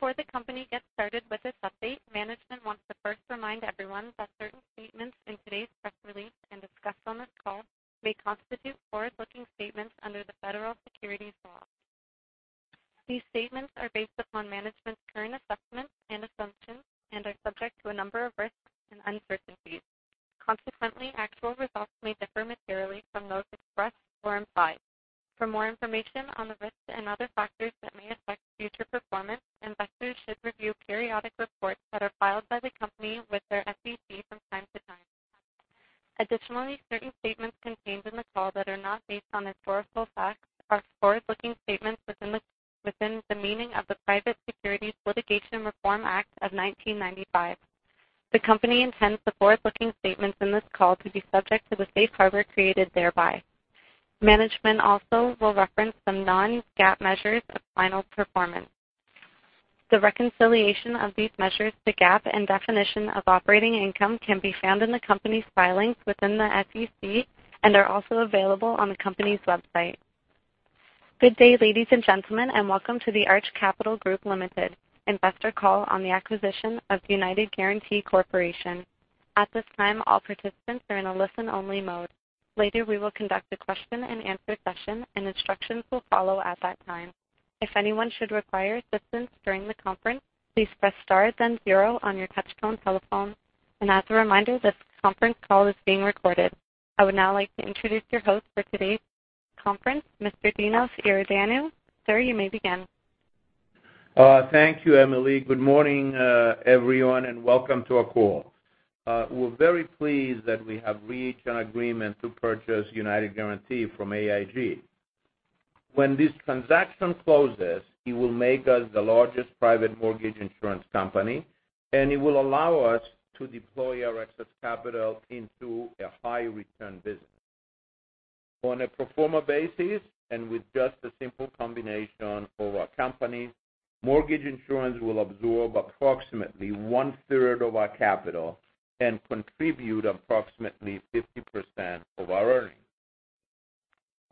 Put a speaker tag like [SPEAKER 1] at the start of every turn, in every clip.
[SPEAKER 1] Before the company gets started with investor call on the acquisition of United Guaranty Corporation. At this time, all participants are in a listen-only mode. Later, we will conduct a question and answer session, and instructions will follow at that time. If anyone should require assistance during the conference, please press star then zero on your touchtone telephone. As a reminder, this conference call is being recorded. I would now like to introduce your host for today's conference, Mr. Constantine Iordanou. Sir, you may begin.
[SPEAKER 2] Thank you, Emily. Good morning, everyone, and welcome to our call. We're very pleased that we have reached an agreement to purchase United Guaranty from AIG. When this transaction closes, it will make us the largest private mortgage insurance company, and it will allow us to deploy our excess capital into a high return business. On a pro forma basis, and with just a simple combination of our companies, mortgage insurance will absorb approximately one-third of our capital and contribute approximately 50% of our earnings.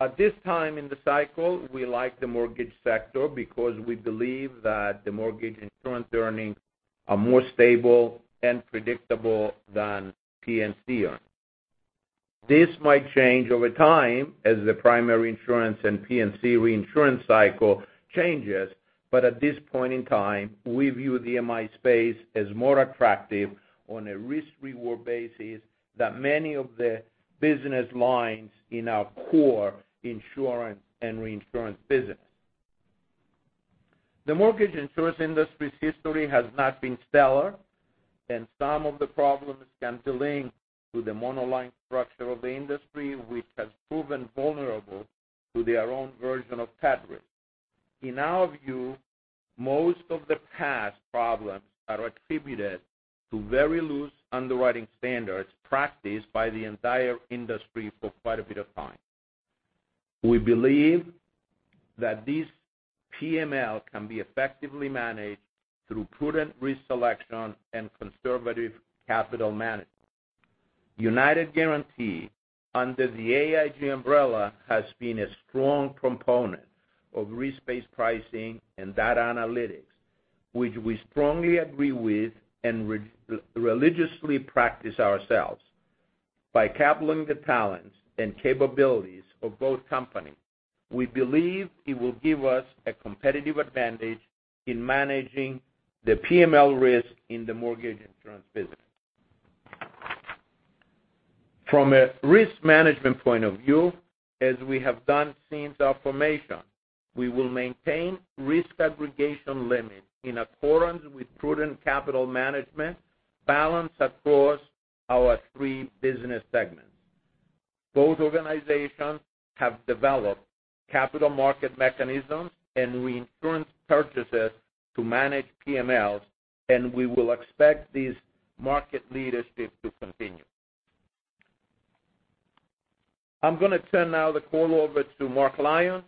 [SPEAKER 2] At this time in the cycle, we like the mortgage sector because we believe that the mortgage insurance earnings are more stable and predictable than P&C earnings. This might change over time as the primary insurance and P&C reinsurance cycle changes, but at this point in time, we view the MI space as more attractive on a risk-reward basis than many of the business lines in our core insurance and reinsurance business. The mortgage insurance industry's history has not been stellar, and some of the problems can be linked to the monoline structure of the industry, which has proven vulnerable to their own version of credit risk. In our view, most of the past problems are attributed to very loose underwriting standards practiced by the entire industry for quite a bit of time. We believe that this PML can be effectively managed through prudent risk selection and conservative capital management. United Guaranty under the AIG umbrella has been a strong proponent of risk-based pricing and data analytics, which we strongly agree with and religiously practice ourselves. By coupling the talents and capabilities of both companies, we believe it will give us a competitive advantage in managing the PML risk in the mortgage insurance business. From a risk management point of view, as we have done since our formation, we will maintain risk aggregation limits in accordance with prudent capital management balanced across our three business segments. Both organizations have developed capital market mechanisms and reinsurance purchases to manage PMLs, and we will expect this market leadership to continue. I'm going to turn now the call over to Mark Lyons,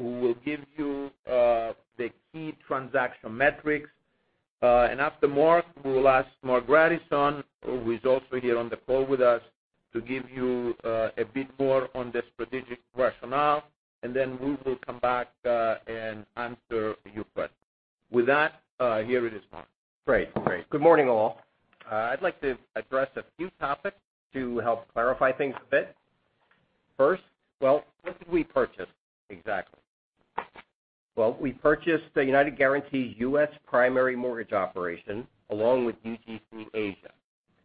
[SPEAKER 2] who will give you the key transaction metrics. After Mark, we will ask Marc Grandisson, who is also here on the call with us to give you a bit more on the strategic rationale. Then we will come back and answer your questions. With that, here it is, Mark.
[SPEAKER 3] Great. Good morning, all. I'd like to address a few topics to help clarify things a bit. First, what did we purchase exactly? Well, we purchased the United Guaranty U.S. primary mortgage operation along with UGC Asia.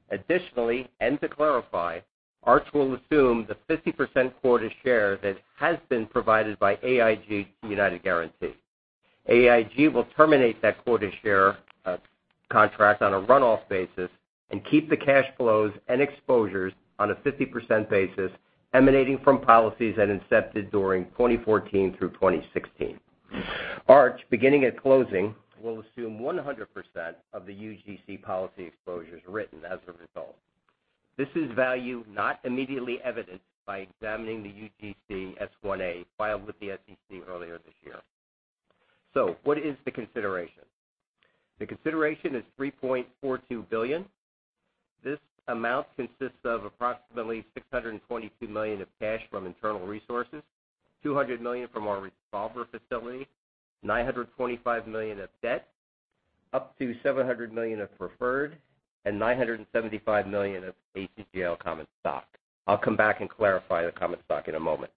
[SPEAKER 3] Additionally, to clarify, Arch will assume the 50% quota share that has been provided by AIG to United Guaranty. AIG will terminate that quota share contract on a run-off basis and keep the cash flows and exposures on a 50% basis emanating from policies that incepted during 2014 through 2016. Arch, beginning at closing, will assume 100% of the UGC policy exposures written as a result. This is value not immediately evident by examining the UGC S-1/A filed with the SEC earlier this year. What is the consideration? The consideration is $3.42 billion. This amount consists of approximately $622 million of cash from internal resources, $200 million from our revolver facility, $925 million of debt, up to $700 million of preferred and $975 million of ACGL common stock. I'll come back and clarify the common stock in a moment.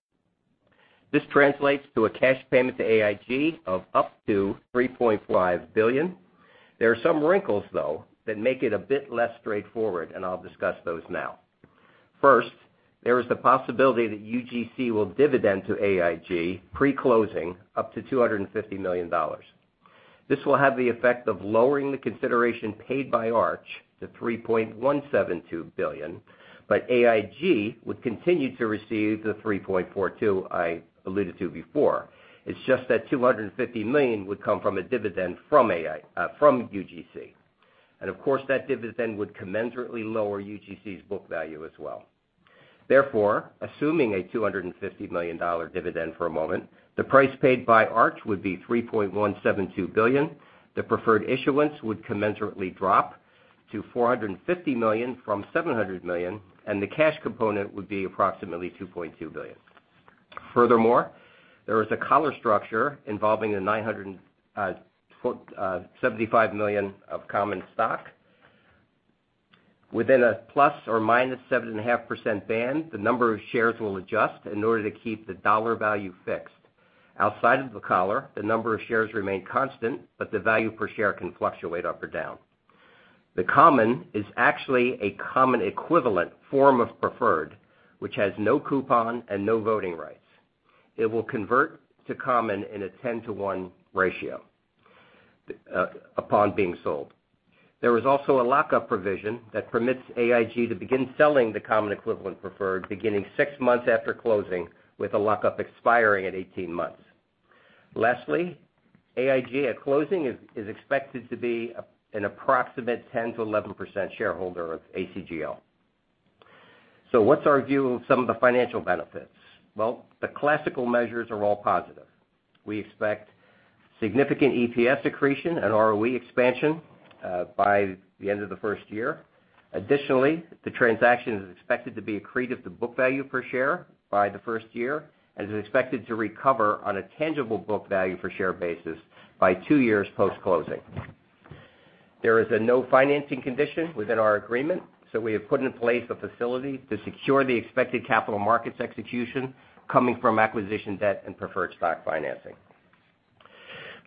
[SPEAKER 3] This translates to a cash payment to AIG of up to $3.5 billion. There are some wrinkles though, that make it a bit less straightforward. I'll discuss those now. First, there is the possibility that UGC will dividend to AIG pre-closing up to $250 million. This will have the effect of lowering the consideration paid by Arch to $3.172 billion, but AIG would continue to receive the $3.42 I alluded to before. It's just that $250 million would come from a dividend from UGC. Of course, that dividend would commensurately lower UGC's book value as well. Therefore, assuming a $250 million dividend for a moment, the price paid by Arch would be $3.172 billion. The preferred issuance would commensurately drop to $450 million from $700 million, and the cash component would be approximately $2.2 billion. Furthermore, there is a collar structure involving the $975 million of common stock. Within a plus or minus 7.5% band, the number of shares will adjust in order to keep the dollar value fixed. Outside of the collar, the number of shares remain constant, but the value per share can fluctuate up or down. The common is actually a common equivalent form of preferred, which has no coupon and no voting rights. It will convert to common in a 10:1 ratio upon being sold. There is also a lockup provision that permits AIG to begin selling the common equivalent preferred beginning six months after closing, with a lockup expiring at 18 months. AIG at closing is expected to be an approximate 10%-11% shareholder of ACGL. What's our view of some of the financial benefits? Well, the classical measures are all positive. We expect significant EPS accretion and ROE expansion by the end of the first year. Additionally, the transaction is expected to be accretive to book value per share by the first year and is expected to recover on a tangible book value per share basis by two years post-closing. There is a no financing condition within our agreement, so we have put in place a facility to secure the expected capital markets execution coming from acquisition debt and preferred stock financing.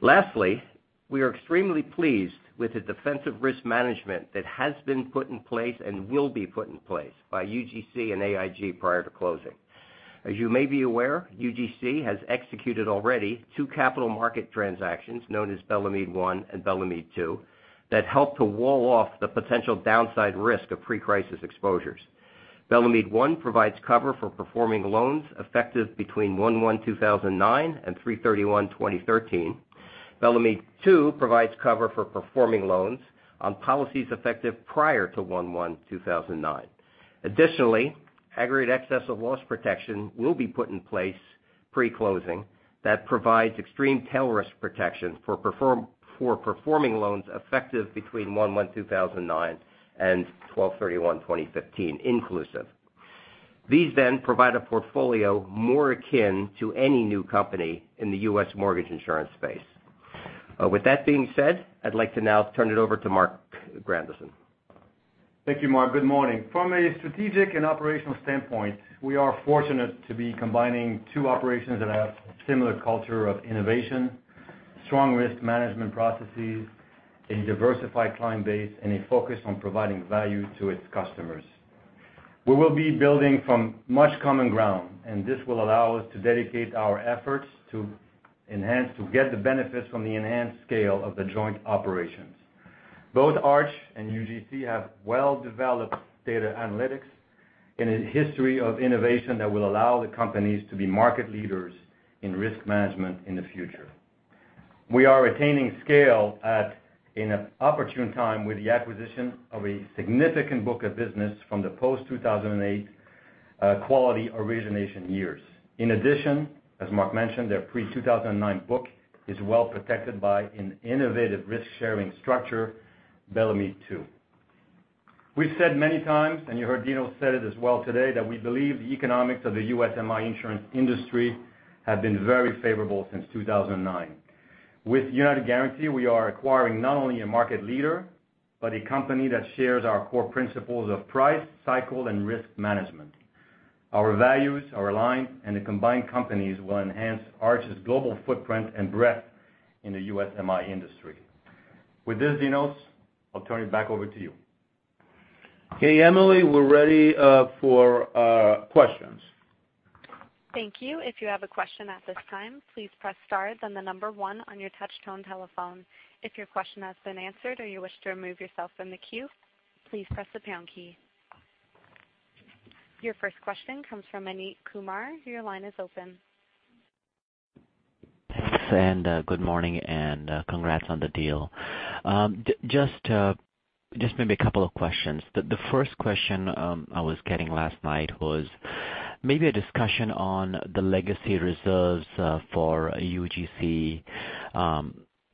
[SPEAKER 3] We are extremely pleased with the defensive risk management that has been put in place and will be put in place by UGC and AIG prior to closing. As you may be aware, UGC has executed already two capital market transactions known as Bellemeade One and Bellemeade Two, that help to wall off the potential downside risk of pre-crisis exposures. Bellemeade One provides cover for performing loans effective between 1/1/2009 and 3/31/2013. Bellemeade Two provides cover for performing loans on policies effective prior to 1/1/2009. Additionally, aggregate excess of loss protection will be put in place pre-closing that provides extreme tail risk protection for performing loans effective between 1/1/2009 and 12/31/2015 inclusive. These then provide a portfolio more akin to any new company in the U.S. mortgage insurance space. With that being said, I'd like to now turn it over to Marc Grandisson.
[SPEAKER 4] Thank you, Mark. Good morning. From a strategic and operational standpoint, we are fortunate to be combining two operations that have a similar culture of innovation, strong risk management processes, a diversified client base, and a focus on providing value to its customers. We will be building from much common ground, and this will allow us to dedicate our efforts to get the benefits from the enhanced scale of the joint operations. Both Arch and UGC have well-developed data analytics and a history of innovation that will allow the companies to be market leaders in risk management in the future. We are attaining scale at an opportune time with the acquisition of a significant book of business from the post-2008 quality origination years. In addition, as Mark mentioned, their pre-2009 book is well protected by an innovative risk-sharing structure, Bellemeade Two. We've said many times, and you heard Dinos say it as well today, that we believe the economics of the U.S. MI insurance industry have been very favorable since 2009. With United Guaranty, we are acquiring not only a market leader, but a company that shares our core principles of price, cycle, and risk management. Our values are aligned, and the combined companies will enhance Arch's global footprint and breadth in the U.S. MI industry. With this, Dinos, I'll turn it back over to you.
[SPEAKER 3] Okay, Emily, we're ready for questions.
[SPEAKER 1] Thank you. If you have a question at this time, please press star then number 1 on your touch-tone telephone. If your question has been answered or you wish to remove yourself from the queue, please press the pound key. Your first question comes from Amit Kumar. Your line is open.
[SPEAKER 5] Thanks, and good morning, and congrats on the deal. Just maybe a couple of questions. The first question I was getting last night was maybe a discussion on the legacy reserves for UGC.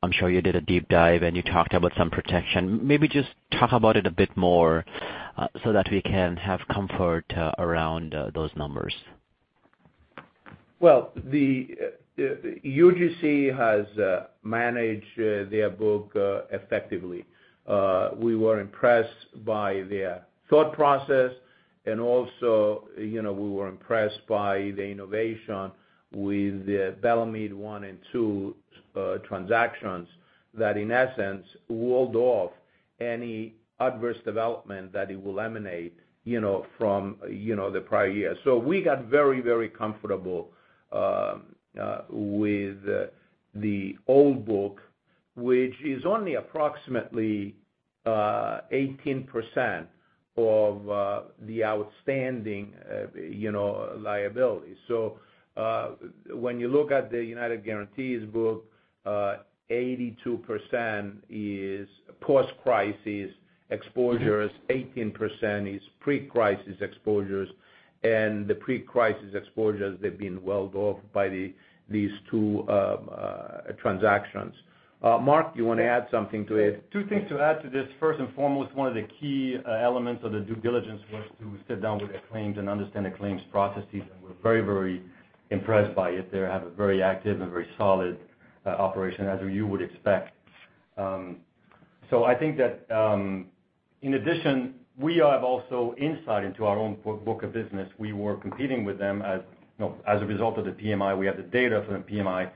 [SPEAKER 5] I'm sure you did a deep dive and you talked about some protection. Maybe just talk about it a bit more so that we can have comfort around those numbers.
[SPEAKER 2] Well, UGC has managed their book effectively. We were impressed by their thought process and also we were impressed by the innovation with the Bellemeade One and Two transactions that, in essence, walled off any adverse development that it will emanate from the prior year. We got very comfortable with the old book, which is only approximately 18% of the outstanding liability. When you look at the United Guaranty's book, 82% is post-crisis exposures, 18% is pre-crisis exposures. The pre-crisis exposures, they've been walled off by these two transactions. Marc, you want to add something to it?
[SPEAKER 4] Two things to add to this. First and foremost, one of the key elements of the due diligence was to sit down with the claims and understand the claims processes. We're very, very impressed by it. They have a very active and very solid operation, as you would expect. I think that, in addition, we have also insight into our own book of business. We were competing with them as a result of the PMI. We have the data from the PMI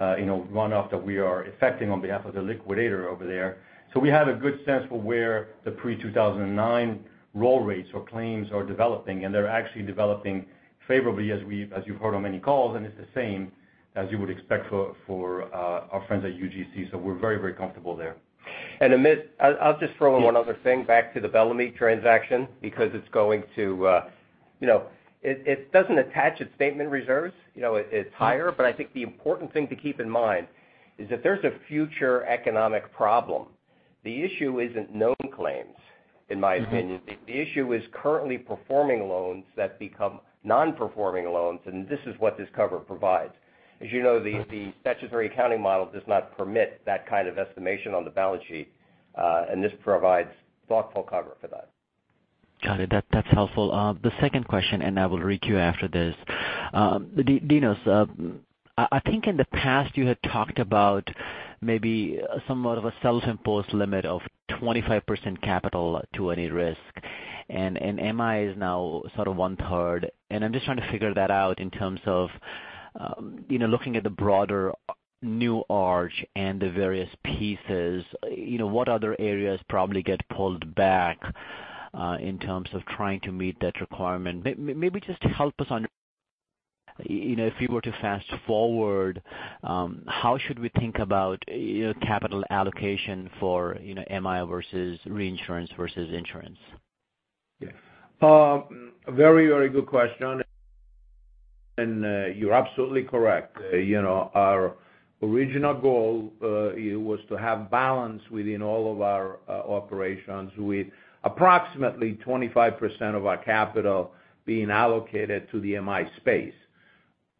[SPEAKER 4] runoff that we are effecting on behalf of the liquidator over there. We have a good sense for where the pre-2009 roll rates or claims are developing, and they're actually developing favorably as you've heard on many calls. It's the same as you would expect for our friends at UGC. We're very, very comfortable there.
[SPEAKER 3] Amit, I'll just throw in one other thing back to the Bellemeade transaction, because it doesn't attach its statement reserves. It's higher. I think the important thing to keep in mind is if there's a future economic problem, the issue isn't known claims, in my opinion. The issue is currently performing loans that become non-performing loans, and this is what this cover provides. As you know, the statutory accounting model does not permit that kind of estimation on the balance sheet, and this provides thoughtful cover for that.
[SPEAKER 5] Got it. That's helpful. The second question, I will re-queue after this. Dinos, I think in the past you had talked about maybe somewhat of a self-imposed limit of 25% capital to any risk. MI is now sort of one-third, and I'm just trying to figure that out in terms of looking at the broader new Arch and the various pieces. What other areas probably get pulled back in terms of trying to meet that requirement? Maybe just help us on, if we were to fast forward, how should we think about capital allocation for MI versus reinsurance versus insurance?
[SPEAKER 2] Yeah. Very, very good question. You're absolutely correct. Our original goal was to have balance within all of our operations, with approximately 25% of our capital being allocated to the MI space.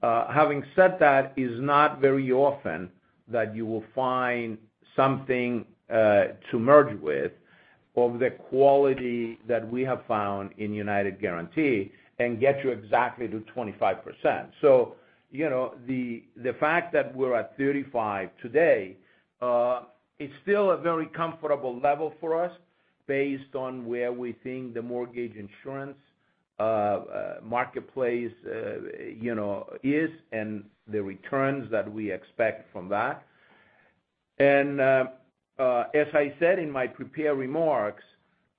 [SPEAKER 2] Having said that, it's not very often that you will find something to merge with of the quality that we have found in United Guaranty and get you exactly to 25%. The fact that we're at 35% today is still a very comfortable level for us based on where we think the mortgage insurance marketplace is and the returns that we expect from that. As I said in my prepared remarks,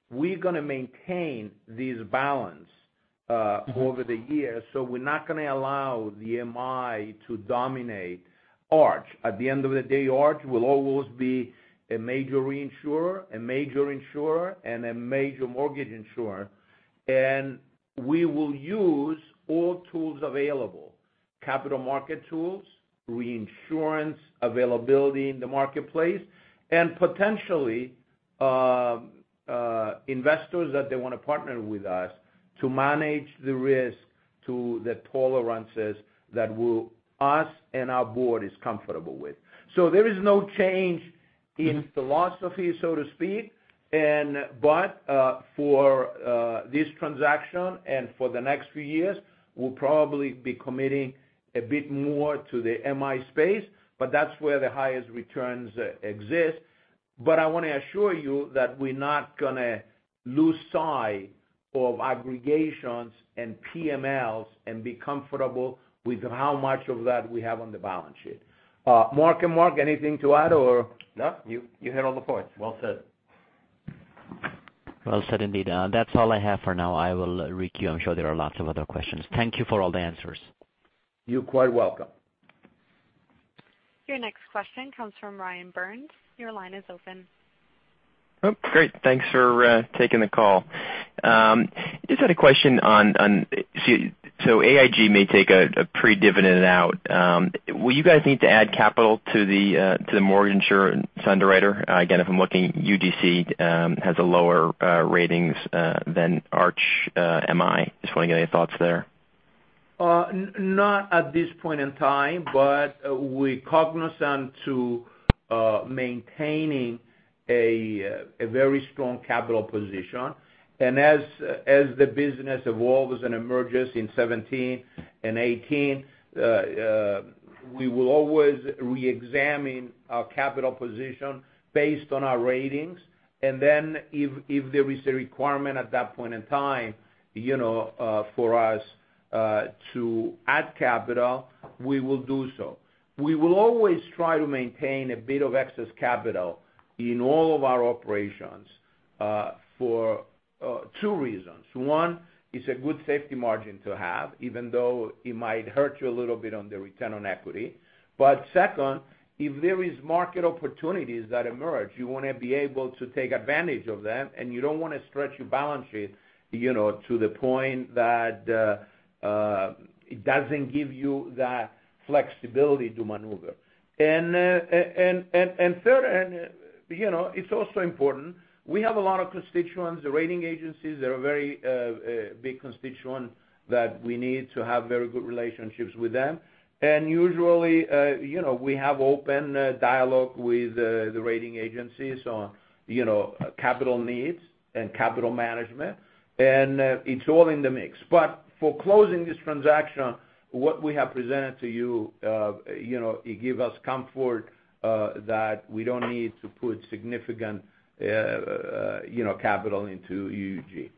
[SPEAKER 2] we're going to maintain this balance over the years. We're not going to allow the MI to dominate Arch. At the end of the day, Arch will always be a major reinsurer, a major insurer, and a major mortgage insurer. We will use all tools available, capital market tools, reinsurance availability in the marketplace, and potentially investors that they want to partner with us to manage the risk to the tolerances that us and our Board is comfortable with. There is no change in philosophy, so to speak. For this transaction and for the next few years, we'll probably be committing a bit more to the MI space, but that's where the highest returns exist. I want to assure you that we're not going to lose sight of aggregations and PMLs and be comfortable with how much of that we have on the balance sheet. Marc and Mark, anything to add, or?
[SPEAKER 4] No, you hit all the points.
[SPEAKER 3] Well said.
[SPEAKER 5] Well said, indeed. That's all I have for now. I will re-queue. I'm sure there are lots of other questions. Thank you for all the answers.
[SPEAKER 2] You're quite welcome.
[SPEAKER 1] Your next question comes from Ryan Burns. Your line is open.
[SPEAKER 6] Oh, great. Thanks for taking the call. Just had a question on, AIG may take a pre-dividend out. Will you guys need to add capital to the mortgage insurance underwriter? Again, if I'm looking, UGC has a lower ratings than Arch MI. Just want to get your thoughts there.
[SPEAKER 2] Not at this point in time, we're cognizant to maintaining a very strong capital position. As the business evolves and emerges in 2017 and 2018, we will always re-examine our capital position based on our ratings. If there is a requirement at that point in time for us to add capital, we will do so. We will always try to maintain a bit of excess capital in all of our operations for two reasons. One, it's a good safety margin to have, even though it might hurt you a little bit on the return on equity. Second, if there is market opportunities that emerge, you want to be able to take advantage of them, and you don't want to stretch your balance sheet to the point that it doesn't give you that flexibility to maneuver. Third, it's also important, we have a lot of constituents. The rating agencies are a very big constituent that we need to have very good relationships with them. Usually, we have open dialogue with the rating agencies on capital needs and capital management. It's all in the mix. For closing this transaction, what we have presented to you, it give us comfort that we don't need to put significant capital into UGC.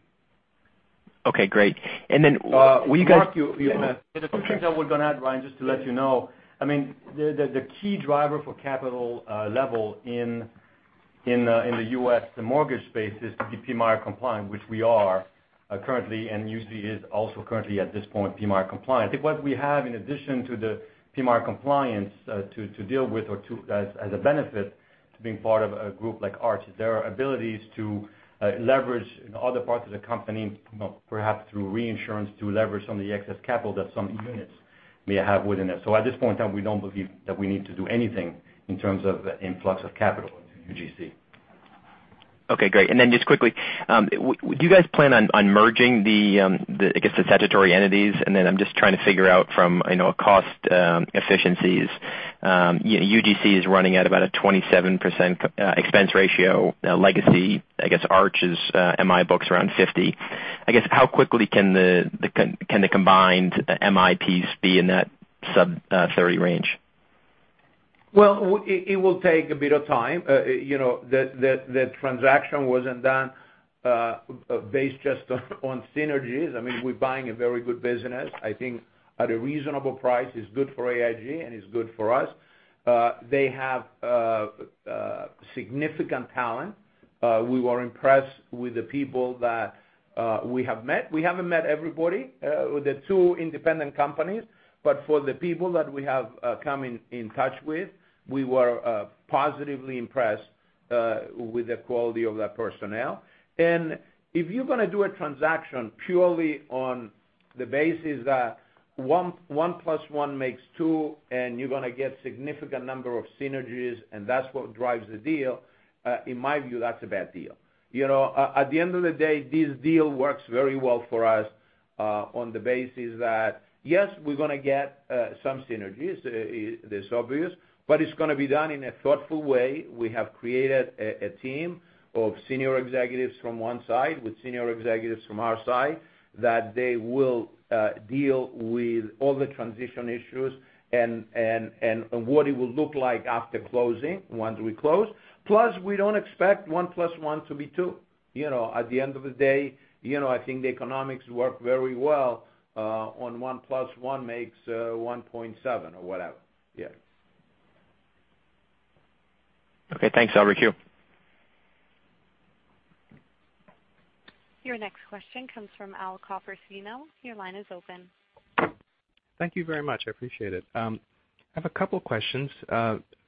[SPEAKER 6] Okay, great. Then will you guys-
[SPEAKER 4] Marc, there are a few things that we're going to add, Ryan, just to let you know. The key driver for capital level in the U.S. mortgage space is to be PMIER compliant, which we are currently, and UGC is also currently at this point, PMIER compliant. I think what we have in addition to the PMIER compliance to deal with as a benefit to being part of a group like Arch, is their abilities to leverage in other parts of the company, perhaps through reinsurance, to leverage some of the excess capital that some units may have within it. At this point in time, we don't believe that we need to do anything in terms of the influx of capital into UGC.
[SPEAKER 6] Okay, great. Then just quickly, do you guys plan on merging the, I guess, the statutory entities? Then I'm just trying to figure out from, I know cost efficiencies. UGC is running at about a 27% expense ratio legacy. I guess Arch is, in my books, around 50. I guess, how quickly can the combined MI piece be in that sub-30 range?
[SPEAKER 2] Well, it will take a bit of time. The transaction wasn't done based just on synergies. We're buying a very good business. I think at a reasonable price, it's good for AIG, and it's good for us. They have significant talent. We were impressed with the people that we have met. We haven't met everybody with the two independent companies. But for the people that we have come in touch with, we were positively impressed with the quality of that personnel. If you're going to do a transaction purely on the basis that one plus one makes two, and you're going to get significant number of synergies, and that's what drives the deal, in my view, that's a bad deal. At the end of the day, this deal works very well for us on the basis that, yes, we're going to get some synergies. That's obvious. It's going to be done in a thoughtful way. We have created a team of senior executives from one side with senior executives from our side that they will deal with all the transition issues and what it will look like after closing, once we close. Plus, we don't expect one plus one to be two. At the end of the day, I think the economics work very well on one plus one makes 1.7 or whatever. Yeah.
[SPEAKER 6] Okay, thanks. Over to you.
[SPEAKER 1] Your next question comes from Al Copersino. Your line is open.
[SPEAKER 7] Thank you very much. I appreciate it. I have a couple questions.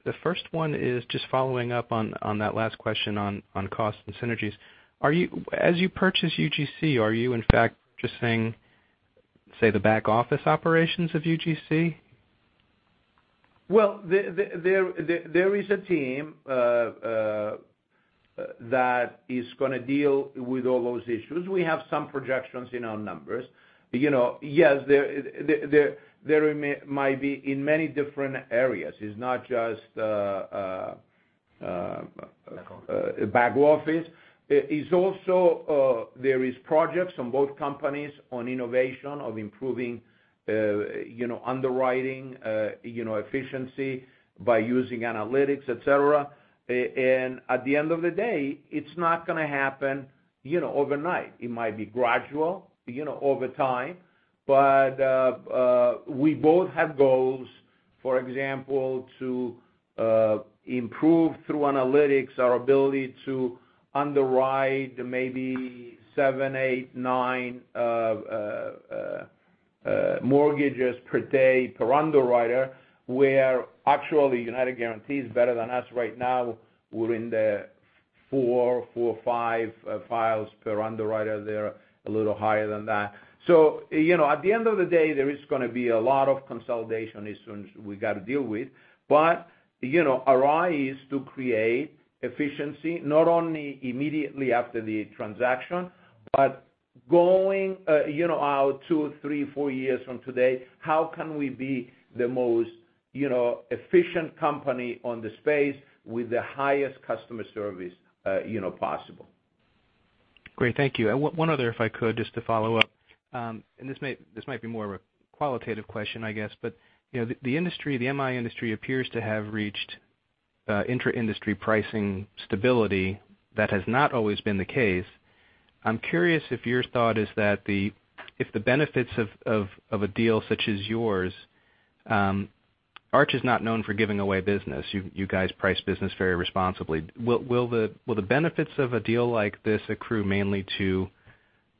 [SPEAKER 7] The first one is just following up on that last question on cost and synergies. As you purchase UGC, are you in fact purchasing, say, the back-office operations of UGC?
[SPEAKER 2] Well, there is a team that is going to deal with all those issues. We have some projections in our numbers. Yes, there might be in many different areas. It's not just.
[SPEAKER 4] Back office.
[SPEAKER 2] Back office. It's also there is projects on both companies on innovation of improving underwriting efficiency by using analytics, et cetera. At the end of the day, it's not going to happen overnight. It might be gradual over time. We both have goals, for example, to improve through analytics our ability to underwrite maybe seven, eight, nine mortgages per day per underwriter. Where actually, United Guaranty is better than us right now. We're in the four, five files per underwriter. They're a little higher than that. At the end of the day, there is going to be a lot of consolidation issues we got to deal with. Our eye is to create efficiency, not only immediately after the transaction, but going out two, three, four years from today, how can we be the most efficient company on the space with the highest customer service possible?
[SPEAKER 7] Great. Thank you. One other, if I could, just to follow up. This might be more of a qualitative question, I guess. The MI industry appears to have reached intra-industry pricing stability that has not always been the case. I'm curious if your thought is that if the benefits of a deal such as yours, Arch is not known for giving away business. You guys price business very responsibly. Will the benefits of a deal like this accrue mainly to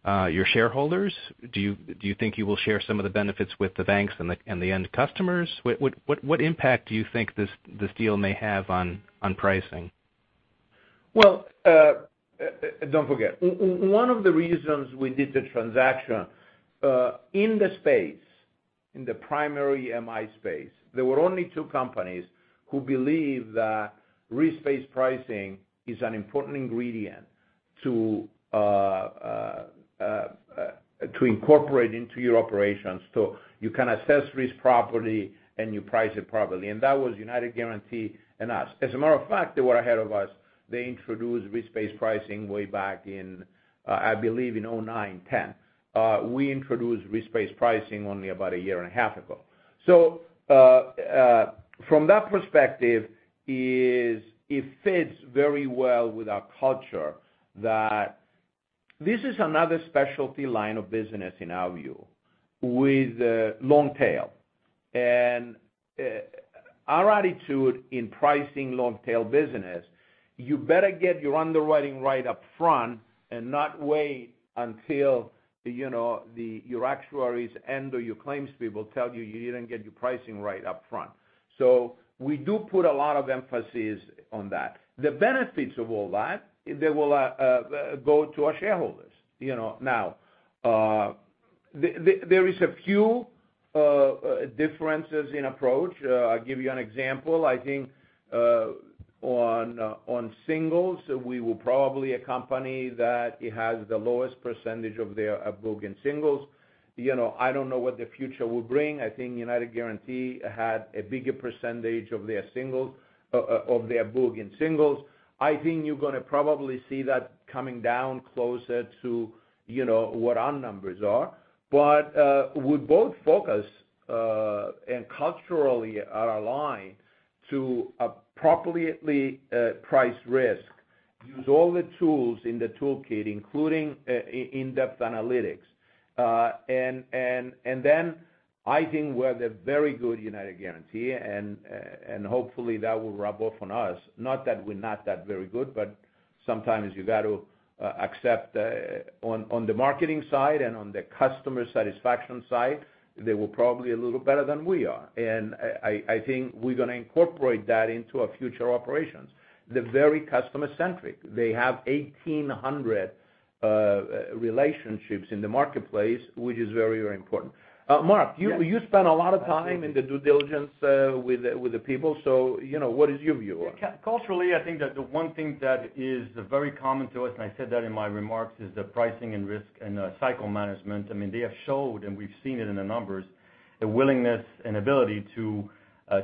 [SPEAKER 7] your shareholders? Do you think you will share some of the benefits with the banks and the end customers? What impact do you think this deal may have on pricing?
[SPEAKER 2] Well, don't forget, one of the reasons we did the transaction, in the space, in the primary MI space, there were only two companies who believe that risk-based pricing is an important ingredient to incorporate into your operations so you can assess risk properly and you price it properly. That was United Guaranty and us. As a matter of fact, they were ahead of us. They introduced risk-based pricing way back in, I believe, in 2009, 2010. We introduced risk-based pricing only about a year and a half ago. From that perspective, it fits very well with our culture that this is another specialty line of business in our view with long tail. Our attitude in pricing long-tail business, you better get your underwriting right up front and not wait until your actuaries and or your claims people tell you didn't get your pricing right up front. We do put a lot of emphasis on that. The benefits of all that, they will go to our shareholders. Now, there is a few differences in approach. I'll give you an example. I think on singles, we were probably a company that has the lowest percentage of their book in singles. I don't know what the future will bring. I think United Guaranty had a bigger percentage of their book in singles. I think you're going to probably see that coming down closer to what our numbers are. We both focus, and culturally are aligned to appropriately price risk, use all the tools in the toolkit, including in-depth analytics. I think we're the very good United Guaranty, and hopefully, that will rub off on us. Not that we're not that very good, but sometimes you got to accept on the marketing side and on the customer satisfaction side, they were probably a little better than we are. I think we're going to incorporate that into our future operations. They're very customer centric. They have 1,800 relationships in the marketplace, which is very important.
[SPEAKER 4] Yes
[SPEAKER 2] you spent a lot of time in the due diligence with the people, what is your view on it?
[SPEAKER 4] Culturally, I think that the one thing that is very common to us, and I said that in my remarks, is the pricing and risk and cycle management. They have showed, and we've seen it in the numbers, the willingness and ability to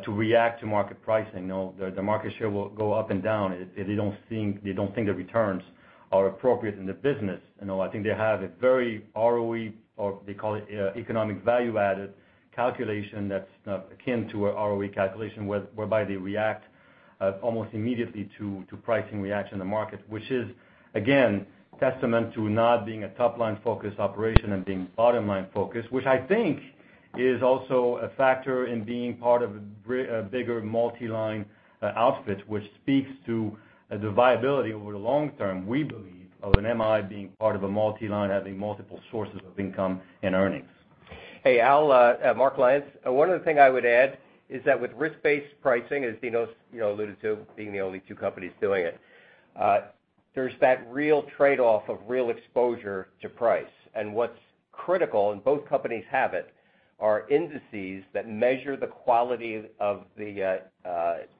[SPEAKER 4] react to market pricing. The market share will go up and down if they don't think the returns are appropriate in the business. I think they have a very ROE, or they call it economic value added calculation that's akin to a ROE calculation, whereby they react almost immediately to pricing reaction in the market. Which is, again, testament to not being a top-line focused operation and being bottom-line focused, which I think is also a factor in being part of a bigger multi-line outfit, which speaks to the viability over the long term, we believe, of an MI being part of a multi-line, having multiple sources of income and earnings.
[SPEAKER 3] Hey, Al, Mark Lyons. One other thing I would add is that with risk-based pricing, as Dinos' alluded to, being the only two companies doing it. There's that real trade-off of real exposure to price. What's critical, and both companies have it, are indices that measure the quality of the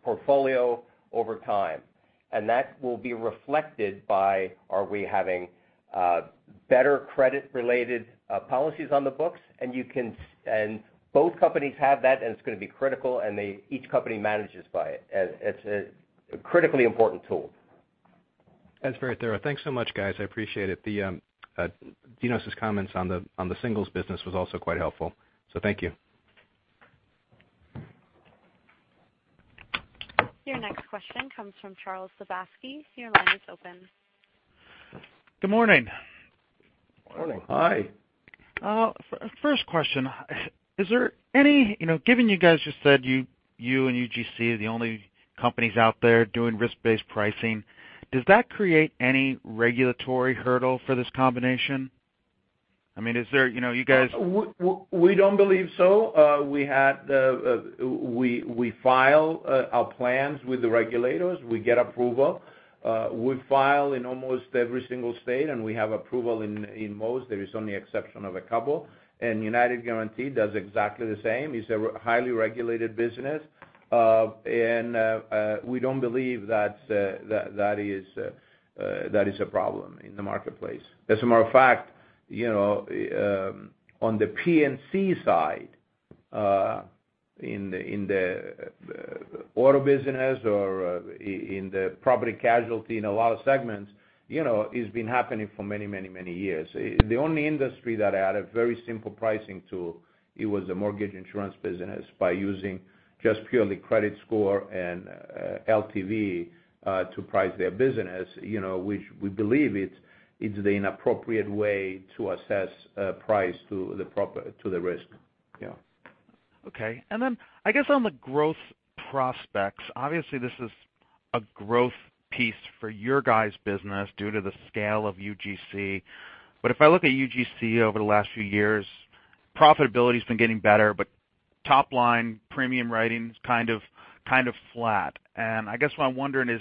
[SPEAKER 3] portfolio over time. That will be reflected by are we having better credit related policies on the books? Both companies have that, and it's going to be critical, and each company manages by it. It's a critically important tool.
[SPEAKER 7] That's very thorough. Thanks so much, guys. I appreciate it. Dinos' comments on the singles business was also quite helpful. Thank you.
[SPEAKER 1] Your next question comes from Charles Sebaski. Your line is open.
[SPEAKER 8] Good morning.
[SPEAKER 2] Morning.
[SPEAKER 4] Hi.
[SPEAKER 8] First question. Given you guys just said you and UGC are the only companies out there doing risk-based pricing, does that create any regulatory hurdle for this combination?
[SPEAKER 2] We don't believe so. We file our plans with the regulators. We get approval. We file in almost every single state, and we have approval in most. There is only exception of a couple. United Guaranty does exactly the same. It's a highly regulated business. We don't believe that is a problem in the marketplace. As a matter of fact, on the P&C side In the auto business or in the property casualty, in a lot of segments, it's been happening for many years. The only industry that had a very simple pricing tool, it was the mortgage insurance business by using just purely credit score and LTV to price their business, which we believe it's the inappropriate way to assess price to the risk. Yeah.
[SPEAKER 8] Okay. I guess on the growth prospects, obviously this is a growth piece for your guys' business due to the scale of UGC. If I look at UGC over the last few years, profitability's been getting better, but top line premium writing is kind of flat. I guess what I'm wondering is,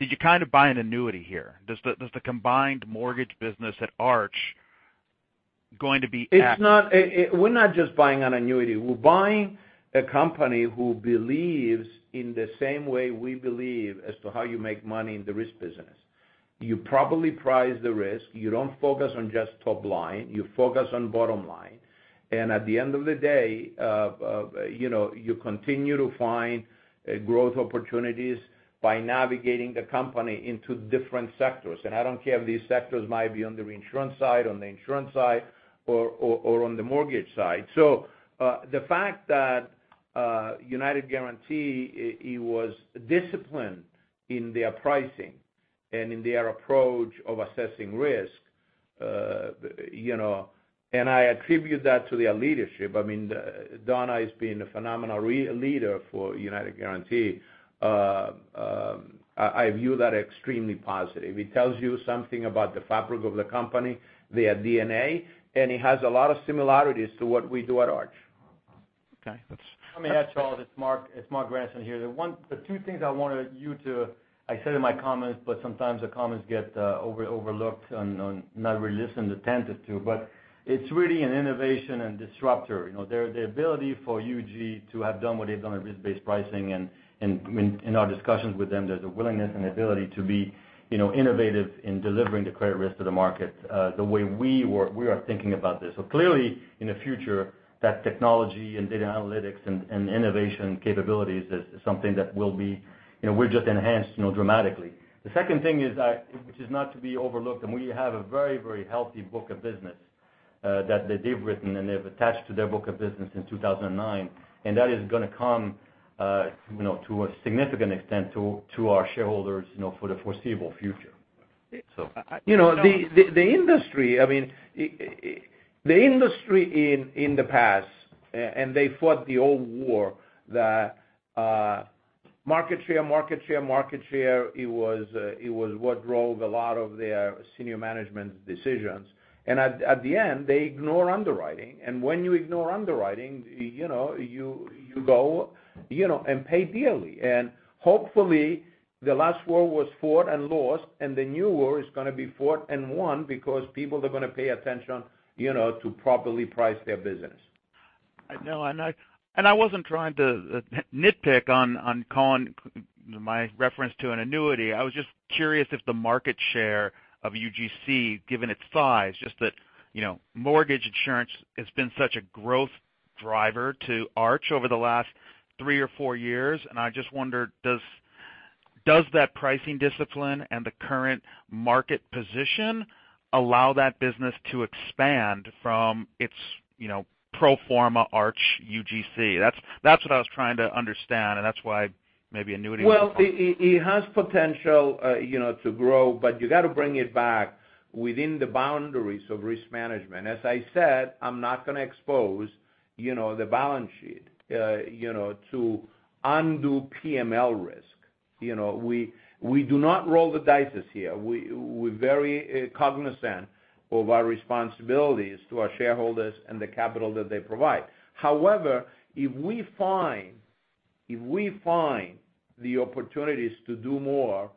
[SPEAKER 8] did you kind of buy an annuity here? Does the combined mortgage business at Arch going to be at-
[SPEAKER 2] We're not just buying an annuity. We're buying a company who believes in the same way we believe as to how you make money in the risk business. You properly price the risk. You don't focus on just top line. You focus on bottom line. At the end of the day, you continue to find growth opportunities by navigating the company into different sectors. I don't care if these sectors might be on the reinsurance side, on the insurance side, or on the mortgage side. The fact that United Guaranty was disciplined in their pricing and in their approach of assessing risk, I attribute that to their leadership. I mean, Donna has been a phenomenal leader for United Guaranty. I view that extremely positive. It tells you something about the fabric of the company, their DNA, and it has a lot of similarities to what we do at Arch.
[SPEAKER 8] Okay.
[SPEAKER 4] Let me add, Charles, it's Marc Grandisson here. The two things I said in my comments, but sometimes the comments get overlooked and not really listened attentive to. It's really an innovation and disruptor. The ability for UG to have done what they've done with risk-based pricing and in our discussions with them, there's a willingness and ability to be innovative in delivering the credit risk to the market, the way we are thinking about this. Clearly, in the future, that technology and data analytics and innovation capabilities is something that will be enhanced dramatically. The second thing which is not to be overlooked, and we have a very healthy book of business that they've written, and they've attached to their book of business in 2009, and that is going to come to a significant extent to our shareholders for the foreseeable future.
[SPEAKER 2] The industry in the past. They fought the old war that market share, it was what drove a lot of their senior management decisions. At the end, they ignore underwriting. When you ignore underwriting, you go and pay dearly. Hopefully, the last war was fought and lost, and the new war is going to be fought and won because people are going to pay attention to properly price their business.
[SPEAKER 8] I know. I wasn't trying to nitpick on calling my reference to an annuity. I was just curious if the market share of UGC, given its size, just that mortgage insurance has been such a growth driver to Arch over the last 3 or 4 years. I just wondered, does that pricing discipline and the current market position allow that business to expand from its pro forma Arch UGC? That's what I was trying to understand. That's why maybe annuity was-
[SPEAKER 2] Well, it has potential to grow, but you got to bring it back within the boundaries of risk management. As I said, I'm not going to expose the balance sheet to undue PML risk. We do not roll the dices here. We're very cognizant of our responsibilities to our shareholders and the capital that they provide. However, if we find the opportunities to do more,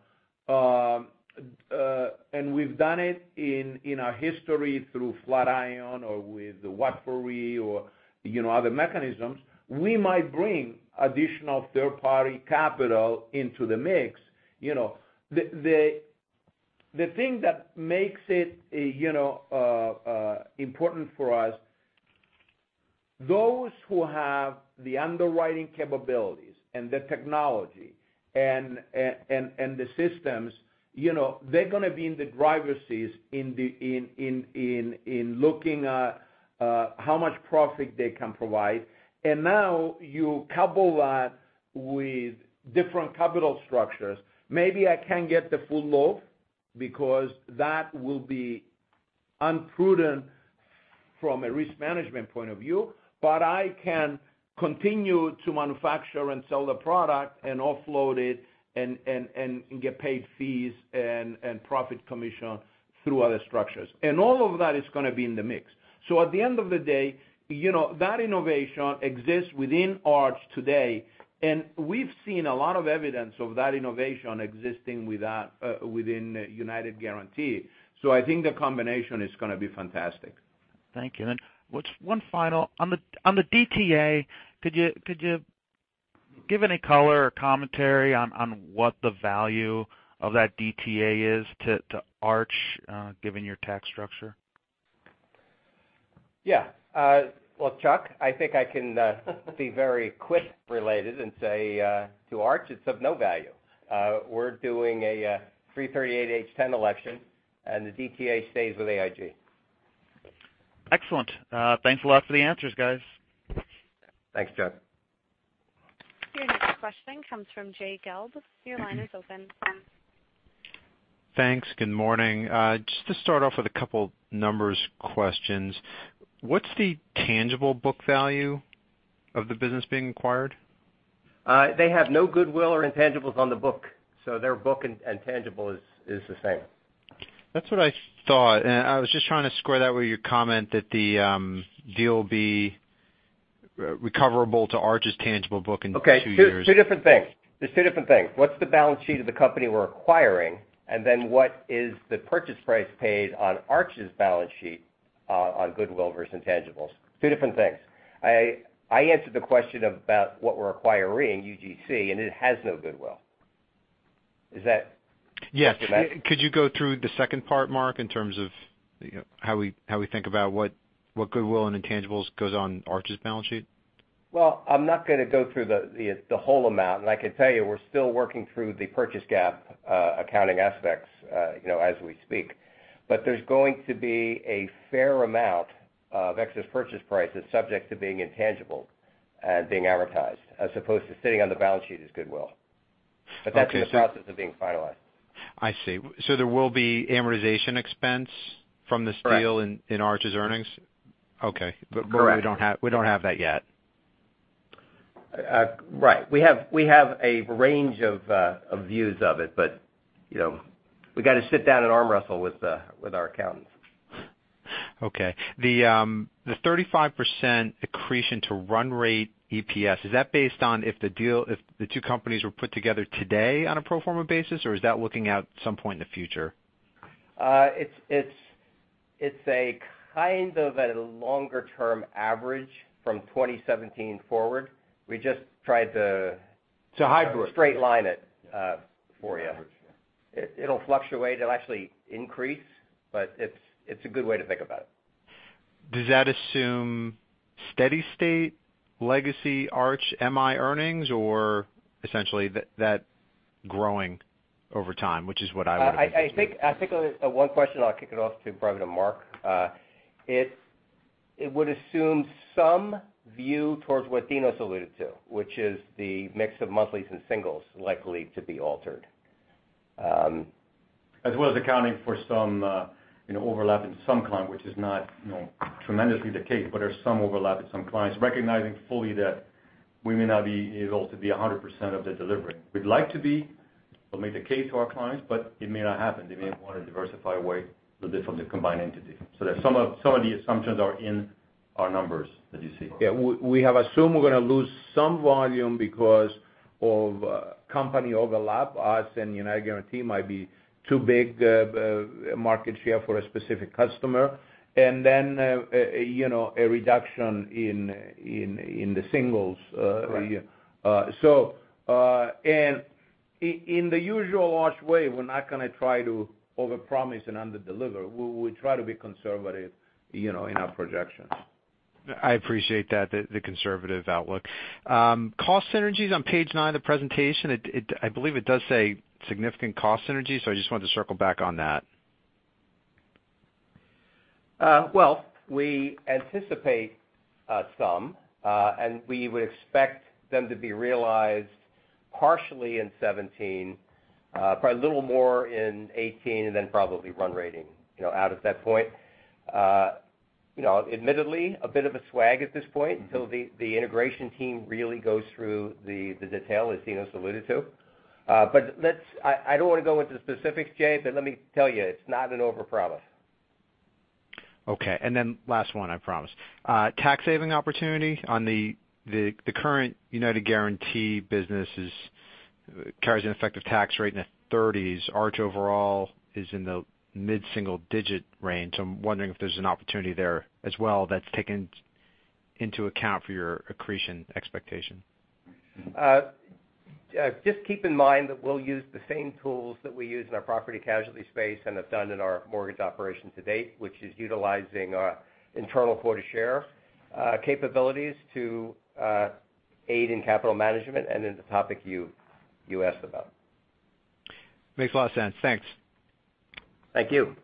[SPEAKER 2] and we've done it in our history through Flatiron or with Watford or other mechanisms, we might bring additional third-party capital into the mix. The thing that makes it important for us, those who have the underwriting capabilities and the technology and the systems, they're going to be in the driver's seat in looking at how much profit they can provide. Now you couple that with different capital structures. Maybe I can't get the full loaf because that will be unprudent from a risk management point of view, but I can continue to manufacture and sell the product and offload it and get paid fees and profit commission through other structures. All of that is going to be in the mix. At the end of the day, that innovation exists within Arch today, and we've seen a lot of evidence of that innovation existing within United Guaranty. I think the combination is going to be fantastic.
[SPEAKER 8] Thank you. What's one final, on the DTA, could you give any color or commentary on what the value of that DTA is to Arch, given your tax structure.
[SPEAKER 3] Yeah. Well, Chuck, I think I can be very quick related and say, to Arch, it's of no value. We're doing a 338 (10) election and the DTA stays with AIG.
[SPEAKER 8] Excellent. Thanks a lot for the answers, guys.
[SPEAKER 3] Thanks, Chuck.
[SPEAKER 1] Your next question comes from Jay Gelb. Your line is open.
[SPEAKER 9] Thanks. Good morning. Just to start off with a couple numbers questions. What's the tangible book value of the business being acquired?
[SPEAKER 3] They have no goodwill or intangibles on the book, so their book and tangible is the same.
[SPEAKER 9] That's what I thought. I was just trying to square that with your comment that the deal will be recoverable to Arch's tangible book in two years.
[SPEAKER 3] Okay. Two different things. There's two different things. What's the balance sheet of the company we're acquiring, and then what is the purchase price paid on Arch's balance sheet on goodwill versus intangibles? Two different things. I answered the question about what we're acquiring, UGC, and it has no goodwill. Is that?
[SPEAKER 9] Yes. Could you go through the second part, Marc, in terms of how we think about what goodwill and intangibles goes on Arch's balance sheet?
[SPEAKER 3] Well, I'm not going to go through the whole amount, and I can tell you we're still working through the purchase GAAP accounting aspects as we speak. There's going to be a fair amount of excess purchase price that's subject to being intangible and being amortized, as opposed to sitting on the balance sheet as goodwill.
[SPEAKER 9] Okay.
[SPEAKER 3] That's in the process of being finalized.
[SPEAKER 9] I see. There will be amortization expense from this deal.
[SPEAKER 3] Right
[SPEAKER 9] in Arch's earnings? Okay.
[SPEAKER 3] Correct.
[SPEAKER 9] We don't have that yet.
[SPEAKER 3] Right. We have a range of views of it, we got to sit down and arm wrestle with our accountants.
[SPEAKER 9] Okay. The 35% accretion to run rate EPS, is that based on if the two companies were put together today on a pro forma basis, or is that looking out at some point in the future?
[SPEAKER 3] It's a kind of at a longer-term average from 2017 forward.
[SPEAKER 4] It's a hybrid
[SPEAKER 3] straight line it for you.
[SPEAKER 4] Average, yeah.
[SPEAKER 3] It'll fluctuate. It'll actually increase, but it's a good way to think about it.
[SPEAKER 9] Does that assume steady state legacy Arch MI earnings or essentially that growing over time, which is what I would think it is?
[SPEAKER 3] I think one question, I'll kick it off to probably to Mark. It would assume some view towards what Dinos alluded to, which is the mix of monthlies and singles likely to be altered.
[SPEAKER 4] As well as accounting for some overlap in some client, which is not tremendously the case, but there's some overlap in some clients, recognizing fully that we may not be able to be 100% of the delivery. We'd like to be, we'll make the case to our clients, but it may not happen. They may want to diversify away a bit from the combined entity. Some of the assumptions are in our numbers that you see.
[SPEAKER 9] Yeah.
[SPEAKER 3] We have assumed we're going to lose some volume because of company overlap, us and United Guaranty might be too big a market share for a specific customer. Then a reduction in the singles.
[SPEAKER 9] Right.
[SPEAKER 3] In the usual Arch way, we're not going to try to overpromise and underdeliver. We try to be conservative in our projections.
[SPEAKER 9] I appreciate that, the conservative outlook. Cost synergies on page nine of the presentation, I believe it does say significant cost synergies, I just wanted to circle back on that.
[SPEAKER 3] Well, we anticipate some, we would expect them to be realized partially in 2017, probably a little more in 2018, then probably run rating out at that point. Admittedly, a bit of a swag at this point until the integration team really goes through the detail, as Dinos alluded to. I don't want to go into specifics, Jay, let me tell you, it's not an overpromise.
[SPEAKER 9] Last one, I promise. Tax saving opportunity on the current United Guaranty business carries an effective tax rate in the 30s. Arch overall is in the mid-single digit range. I'm wondering if there's an opportunity there as well that's taken into account for your accretion expectation.
[SPEAKER 3] Just keep in mind that we'll use the same tools that we use in our property casualty space and have done in our mortgage operation to date, which is utilizing our internal quota share capabilities to aid in capital management and in the topic you asked about.
[SPEAKER 9] Makes a lot of sense. Thanks.
[SPEAKER 3] Thank you.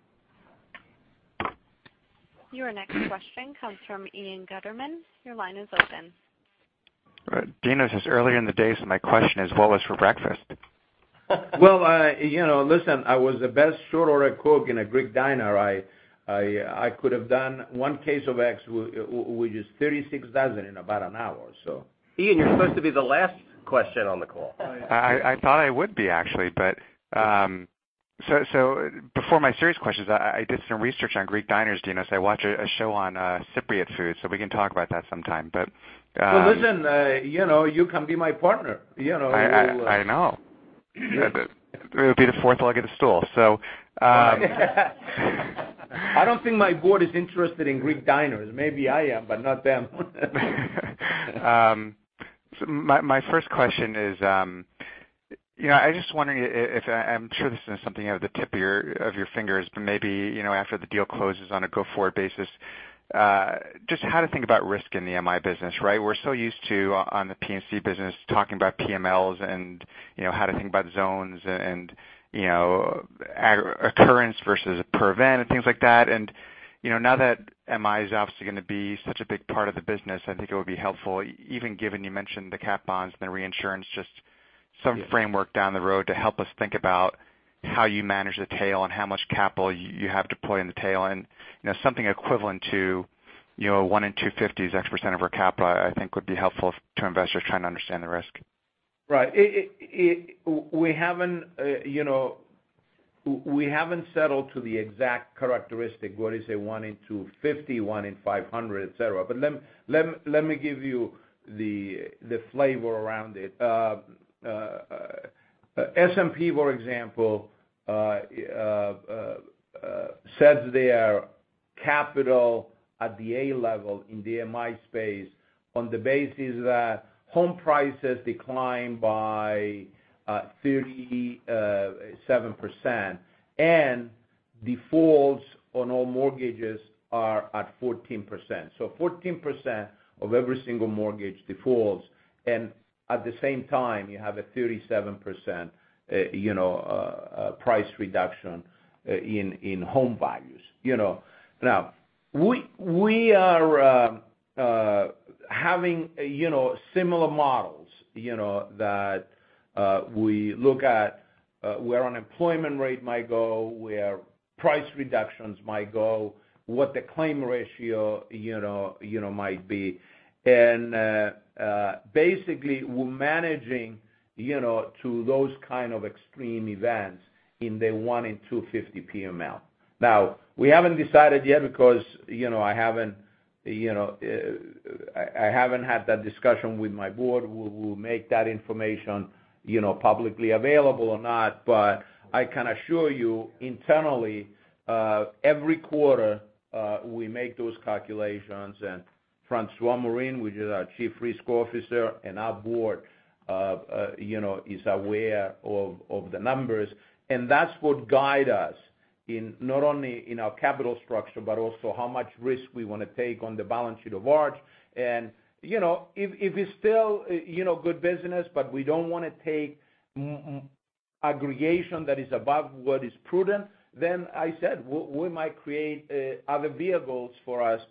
[SPEAKER 4] Your next question comes from Ian Gutterman. Your line is open.
[SPEAKER 10] Dinos, it's earlier in the day, so my question is, what was for breakfast?
[SPEAKER 2] Well, listen, I was the best short order cook in a Greek diner. I could have done one case of eggs, which is 36 dozen, in about an hour or so.
[SPEAKER 3] Ian, you're supposed to be the last question on the call.
[SPEAKER 10] I thought I would be, actually. Before my serious questions, I did some research on Greek diners, Dinos. We can talk about that sometime.
[SPEAKER 2] Well, listen, you can be my partner.
[SPEAKER 10] I know. It would be the fourth leg of the stool.
[SPEAKER 2] I don't think my board is interested in Greek diners. Maybe I am, but not them.
[SPEAKER 10] My first question is, I'm sure this is something out of the tip of your fingers, but maybe, after the deal closes on a go-forward basis, just how to think about risk in the MI business, right? We're so used to, on the P&C business, talking about PMLs and how to think about zones and occurrence versus per event and things like that. Now that MI is obviously going to be such a big part of the business, I think it would be helpful, even given you mentioned the cap bonds and the reinsurance, just some framework down the road to help us think about how you manage the tail and how much capital you have deployed in the tail. Something equivalent to 1 in 250 is X% of our capital, I think, would be helpful to investors trying to understand the risk.
[SPEAKER 2] Right. We haven't settled to the exact characteristic, what is a 1 in 250, 1 in 500, et cetera. Let me give you the flavor around it. S&P, for example, says their capital at the A level in the MI space, on the basis that home prices decline by 37% and defaults on all mortgages are at 14%. 14% of every single mortgage defaults, and at the same time, you have a 37% price reduction in home values. We are having similar models, that we look at where unemployment rate might go, where price reductions might go, what the claim ratio might be. Basically, we're managing to those kind of extreme events in the 1 in 250 PML. We haven't decided yet because I haven't had that discussion with my board, will we make that information publicly available or not. I can assure you, internally, every quarter, we make those calculations. François Morin, who is our Chief Risk Officer, and our board is aware of the numbers. That's what guide us in not only in our capital structure, but also how much risk we want to take on the balance sheet of Arch. If it's still good business, but we don't want to take aggregation that is above what is prudent, then I said, we might create other vehicles for us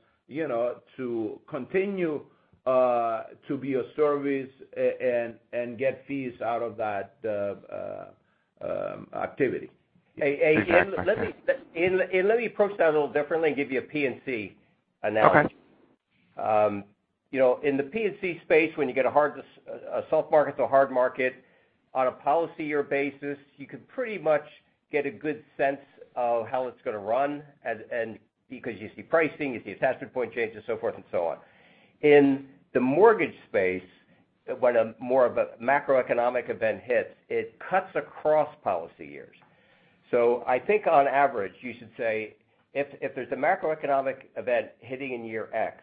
[SPEAKER 2] to continue to be of service and get fees out of that activity.
[SPEAKER 10] Exactly.
[SPEAKER 3] Let me approach that a little differently and give you a P&C analogy.
[SPEAKER 10] Okay.
[SPEAKER 3] In the P&C space, when you get a soft market to a hard market on a policy year basis, you can pretty much get a good sense of how it's going to run because you see pricing, you see attachment point changes, so forth and so on. In the mortgage space, when more of a macroeconomic event hits, it cuts across policy years. I think on average, you should say if there's a macroeconomic event hitting in year X,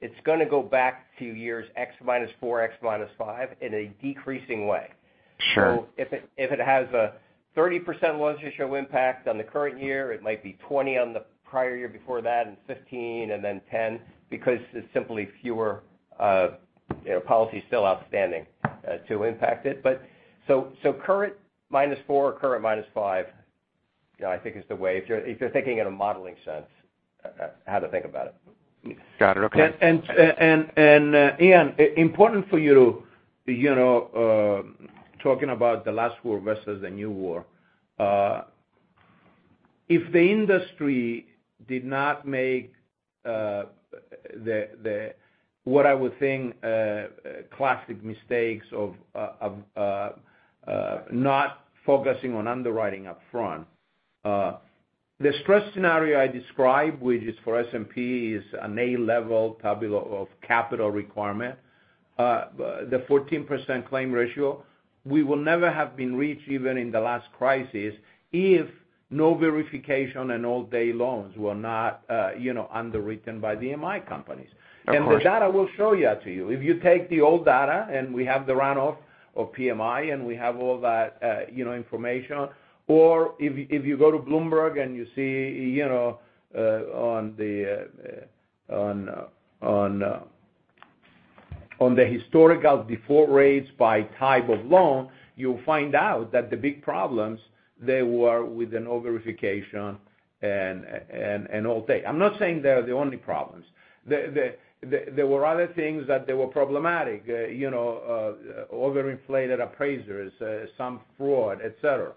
[SPEAKER 3] it's going to go back to years X minus four, X minus five in a decreasing way.
[SPEAKER 10] Sure.
[SPEAKER 3] If it has a 30% loss ratio impact on the current year, it might be 20% on the prior year before that, and 15%, and then 10%, because there's simply fewer policies still outstanding to impact it. Current minus four, current minus five, I think is the way, if you're thinking in a modeling sense, how to think about it.
[SPEAKER 10] Got it. Okay.
[SPEAKER 2] Ian, important for you talking about the last war versus the new war. If the industry did not make what I would think classic mistakes of not focusing on underwriting up front, the stress scenario I described, which is for S&P, is an A level of capital requirement. The 14% claim ratio, we will never have been reached even in the last crisis if no-verification and Alt-A loans were not underwritten by the MI companies.
[SPEAKER 10] Of course.
[SPEAKER 2] The data will show you that to you. If you take the old data, we have the runoff of PMI, we have all that information. If you go to Bloomberg and you see on the historical default rates by type of loan, you'll find out that the big problems, they were with no-verification and Alt-A. I'm not saying they are the only problems. There were other things that they were problematic, over-inflated appraisers, some fraud, et cetera.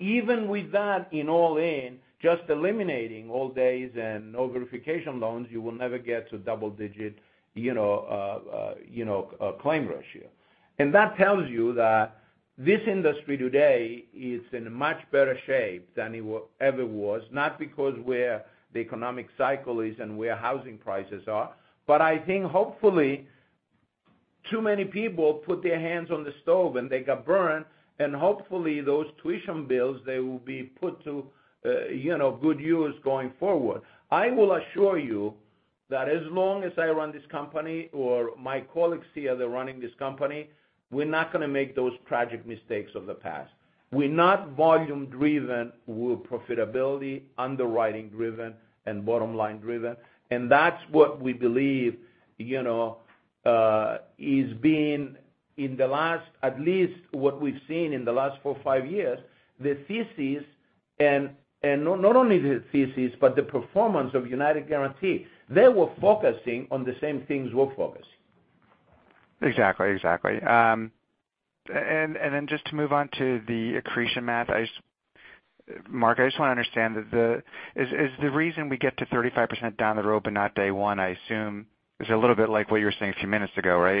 [SPEAKER 2] Even with that in all in, just eliminating Alt-A's and no-verification loans, you will never get to double-digit claim ratio. That tells you that this industry today is in much better shape than it ever was, not because where the economic cycle is and where housing prices are, but I think hopefully. Too many people put their hands on the stove and they got burned, and hopefully those tuition bills, they will be put to good use going forward. I will assure you that as long as I run this company or my colleagues here, they're running this company, we're not going to make those tragic mistakes of the past. We're not volume driven. We're profitability, underwriting driven, and bottom line driven. That's what we believe is being, at least what we've seen in the last four or five years, the thesis, and not only the thesis, but the performance of United Guaranty. They were focusing on the same things we're focusing.
[SPEAKER 10] Exactly. Just to move on to the accretion math, Mark, I just want to understand. Is the reason we get to 35% down the road but not day one, I assume, is a little bit like what you were saying a few minutes ago, right?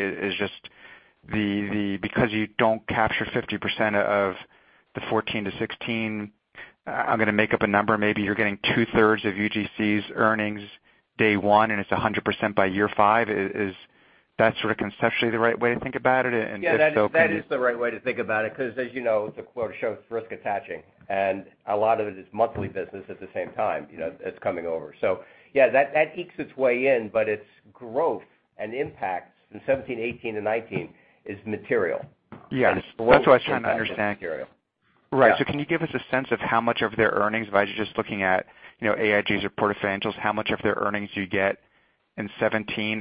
[SPEAKER 10] Is just because you don't capture 50% of the 2014 to 2016, I'm going to make up a number, maybe you're getting two-thirds of UGC's earnings day one, and it's 100% by year five. Is that sort of conceptually the right way to think about it? If so, can you-
[SPEAKER 3] Yeah, that is the right way to think about it, because as you know, it's a quote, "Shows risk attaching." A lot of it is monthly business at the same time that's coming over. Yeah, that ekes its way in, but its growth and impact in 2017, 2018, and 2019 is material.
[SPEAKER 10] Yeah.
[SPEAKER 3] Its flow impact is material.
[SPEAKER 10] Right. Can you give us a sense of how much of their earnings, if I was just looking at AIG's report essentials, how much of their earnings do you get in 2017?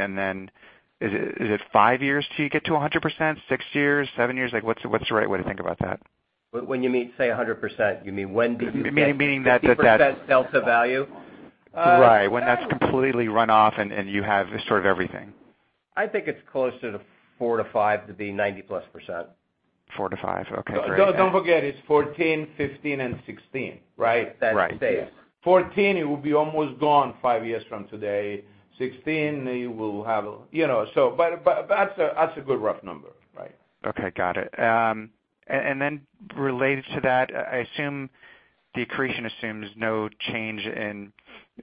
[SPEAKER 10] Is it five years till you get to 100%? Six years, seven years? What's the right way to think about that?
[SPEAKER 3] When you mean, say, 100%, you mean when do you get?
[SPEAKER 10] Meaning that-
[SPEAKER 3] 50% delta value?
[SPEAKER 10] Right. When that's completely run off and you have sort of everything.
[SPEAKER 3] I think it's closer to four to five to be 90+%.
[SPEAKER 10] Four to five. Okay, great.
[SPEAKER 2] Don't forget, it's 2014, 2015, and 2016, right?
[SPEAKER 10] Right. Yeah.
[SPEAKER 3] That space.
[SPEAKER 2] 2014 it will be almost gone 5 years from today. 2016 you will have. That's a good rough number, right?
[SPEAKER 10] Okay, got it. Related to that, I assume the accretion assumes no change in,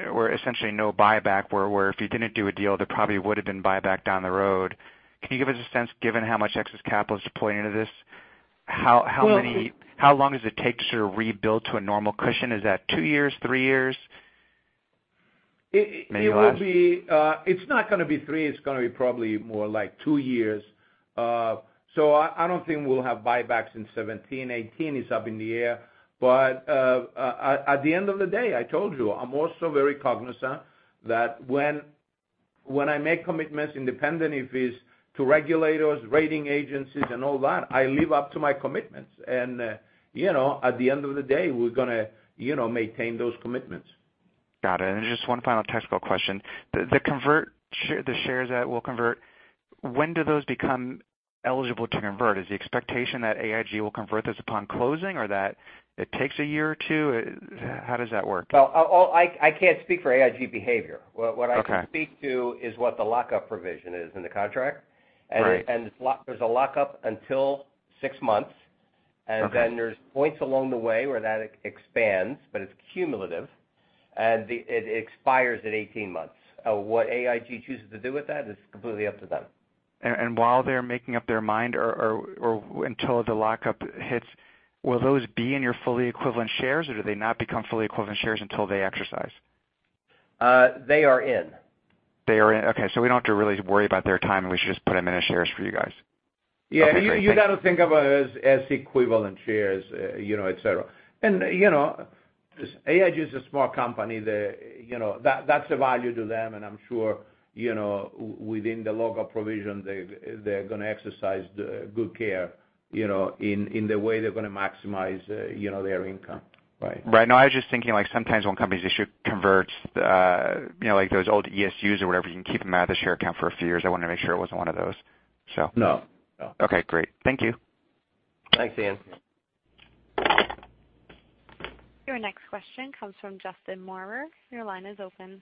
[SPEAKER 10] or essentially no buyback where if you didn't do a deal, there probably would've been buyback down the road. Can you give us a sense, given how much excess capital is deployed into this, how long does it take to sort of rebuild to a normal cushion? Is that 2 years, 3 years? Maybe less?
[SPEAKER 2] It's not going to be 3, it's going to be probably more like 2 years. I don't think we'll have buybacks in 2017. 2018 is up in the air. At the end of the day, I told you, I'm also very cognizant that when I make commitments independent, if it's to regulators, rating agencies and all that, I live up to my commitments. At the end of the day, we're going to maintain those commitments.
[SPEAKER 10] Got it. Just 1 final technical question. The shares that will convert, when do those become eligible to convert? Is the expectation that AIG will convert this upon closing or that it takes a year or 2? How does that work?
[SPEAKER 3] Well, I can't speak for AIG behavior.
[SPEAKER 10] Okay.
[SPEAKER 3] What I can speak to is what the lockup provision is in the contract.
[SPEAKER 10] Right.
[SPEAKER 3] There's a lockup until six months.
[SPEAKER 10] Okay.
[SPEAKER 3] There's points along the way where that expands, but it's cumulative, and it expires at 18 months. What AIG chooses to do with that is completely up to them.
[SPEAKER 10] While they're making up their mind or until the lockup hits, will those be in your fully equivalent shares, or do they not become fully equivalent shares until they exercise?
[SPEAKER 3] They are in.
[SPEAKER 10] They are in. Okay. We don't have to really worry about their timing. We should just put them into shares for you guys.
[SPEAKER 3] Yeah.
[SPEAKER 10] Okay, great. Thank you.
[SPEAKER 3] You got to think of it as equivalent shares, et cetera. AIG is a small company. That's a value to them, and I'm sure within the lockup provision, they're going to exercise good care in the way they're going to maximize their income.
[SPEAKER 10] Right. No, I was just thinking sometimes when companies issue converts, like those old ESUs or whatever, you can keep them out of the share account for a few years. I wanted to make sure it wasn't one of those.
[SPEAKER 3] No.
[SPEAKER 10] Okay, great. Thank you.
[SPEAKER 3] Thanks, Ian.
[SPEAKER 1] Your next question comes from Justin Moorer. Your line is open.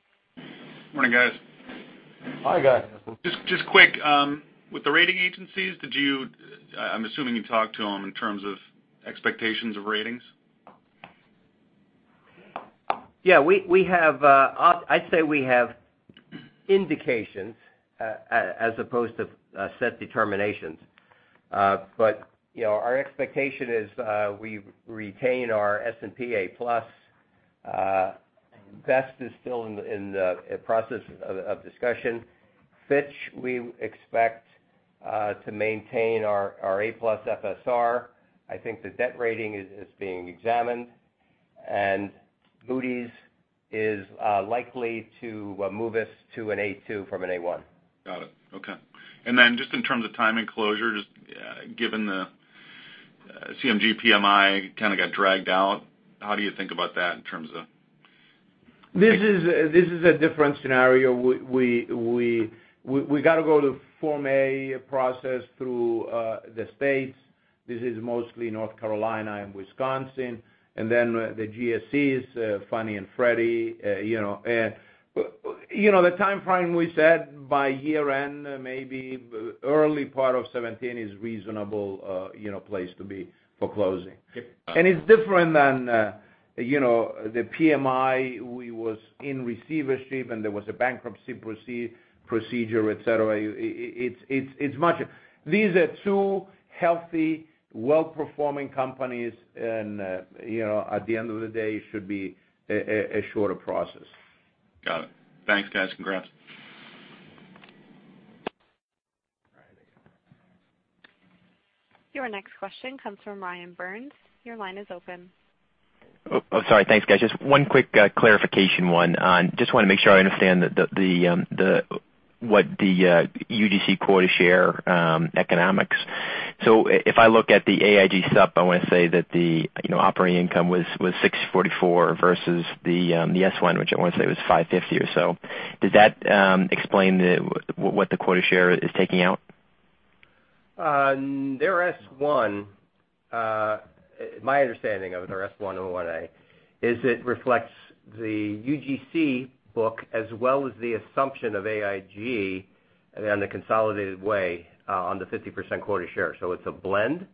[SPEAKER 11] Morning, guys.
[SPEAKER 2] Hi, guys.
[SPEAKER 11] Just quick, with the rating agencies, I'm assuming you talked to them in terms of expectations of ratings?
[SPEAKER 3] Yeah. I'd say we have indications as opposed to set determinations. Our expectation is we retain our S&P A+. Best is still in the process of discussion. Fitch, we expect to maintain our A+ FSR. I think the debt rating is being examined. Moody's is likely to move us to an A2 from an A1.
[SPEAKER 11] Got it. Okay. Then just in terms of timing closure, just given the CMG PMI kind of got dragged out, how do you think about that in terms of?
[SPEAKER 2] This is a different scenario. We got to go to Form A process through the states. This is mostly North Carolina and Wisconsin, then the GSEs, Fannie and Freddie. The timeframe we said by year-end, maybe early part of 2017 is reasonable place to be for closing.
[SPEAKER 11] Okay. Got it.
[SPEAKER 2] It's different than
[SPEAKER 4] The PMI was in receivership, and there was a bankruptcy procedure, et cetera. These are two healthy, well-performing companies and at the end of the day, it should be a shorter process.
[SPEAKER 11] Got it. Thanks, guys. Congrats.
[SPEAKER 1] Your next question comes from Ryan Burns. Your line is open.
[SPEAKER 6] Oh, sorry. Thanks, guys. Just one quick clarification. Just want to make sure I understand what the UGC quota share economics. If I look at the AIG supp, I want to say that the operating income was $644 versus the S-1, which I want to say was $550 or so. Does that explain what the quota share is taking out?
[SPEAKER 3] Their S-1, my understanding of their S-1/A is it reflects the UGC book as well as the assumption of AIG on the consolidated way on the 50% quota share. It's a blend,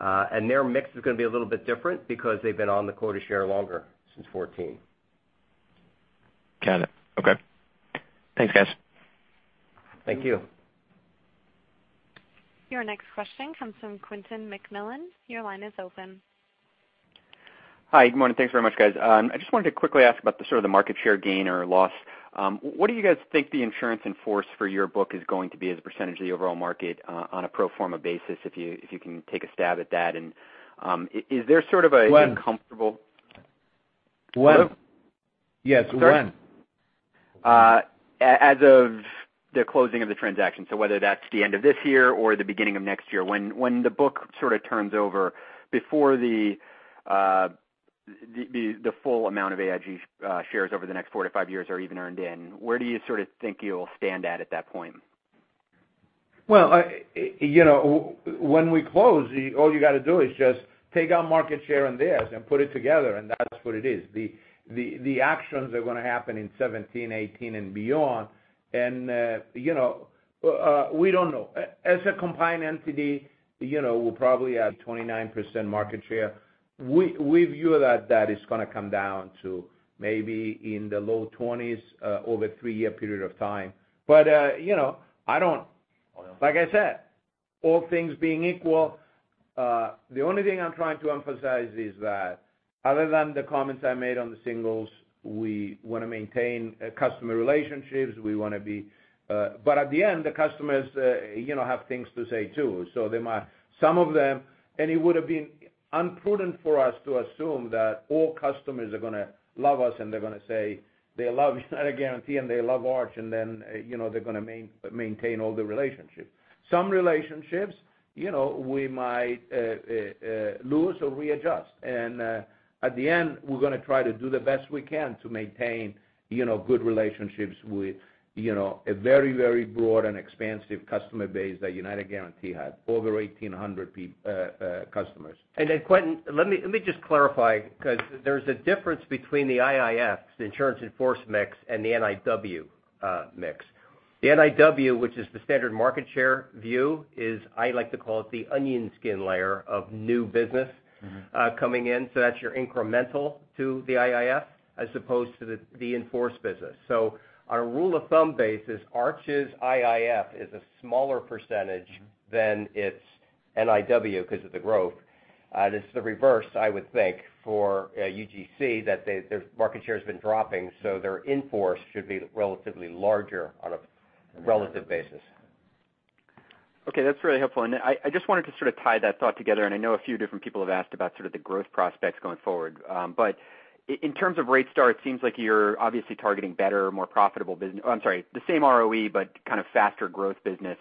[SPEAKER 3] and their mix is going to be a little bit different because they've been on the quota share longer, since 2014.
[SPEAKER 6] Got it. Okay. Thanks, guys.
[SPEAKER 3] Thank you.
[SPEAKER 1] Your next question comes from Quentin McMillan. Your line is open.
[SPEAKER 12] Hi. Good morning. Thanks very much, guys. I just wanted to quickly ask about the sort of the market share gain or loss. What do you guys think the insurance in force for your book is going to be as a percentage of the overall market on a pro forma basis, if you can take a stab at that?
[SPEAKER 4] When.
[SPEAKER 12] -comfortable-
[SPEAKER 4] When.
[SPEAKER 12] Hello?
[SPEAKER 4] Yes, when.
[SPEAKER 12] Sorry. As of the closing of the transaction, whether that's the end of this year or the beginning of next year, when the book sort of turns over before the full amount of AIG shares over the next four to five years are even earned in. Where do you sort of think you'll stand at that point?
[SPEAKER 4] When we close, all you got to do is just take our market share and theirs and put it together, and that's what it is. The actions are going to happen in 2017, 2018, and beyond. We don't know. As a combined entity, we'll probably have 29% market share. We view that that is going to come down to maybe in the low 20s over a 3-year period of time. Like I said, all things being equal, the only thing I'm trying to emphasize is that other than the comments I made on the singles, we want to maintain customer relationships. At the end, the customers have things to say, too. It would have been imprudent for us to assume that all customers are going to love us and they're going to say they love United Guaranty and they love Arch, and then they're going to maintain all the relationships. Some relationships we might lose or readjust. At the end, we're going to try to do the best we can to maintain good relationships with a very broad and expansive customer base that United Guaranty had. Over 1,800 customers.
[SPEAKER 3] Quentin, let me just clarify because there's a difference between the IIF, the insurance in force mix, and the NIW mix. The NIW, which is the standard market share view, is I like to call it the onion skin layer of new business coming in. That's your incremental to the IIF as opposed to the in force business. On a rule of thumb basis, Arch's IIF is a smaller percentage than its NIW because of the growth. It's the reverse, I would think, for UGC, that their market share has been dropping, so their in force should be relatively larger on a relative basis.
[SPEAKER 12] Okay, that's really helpful. I just wanted to sort of tie that thought together, and I know a few different people have asked about sort of the growth prospects going forward. In terms of RateStar, it seems like you're obviously targeting better, more profitable business. I'm sorry, the same ROE, kind of faster growth business.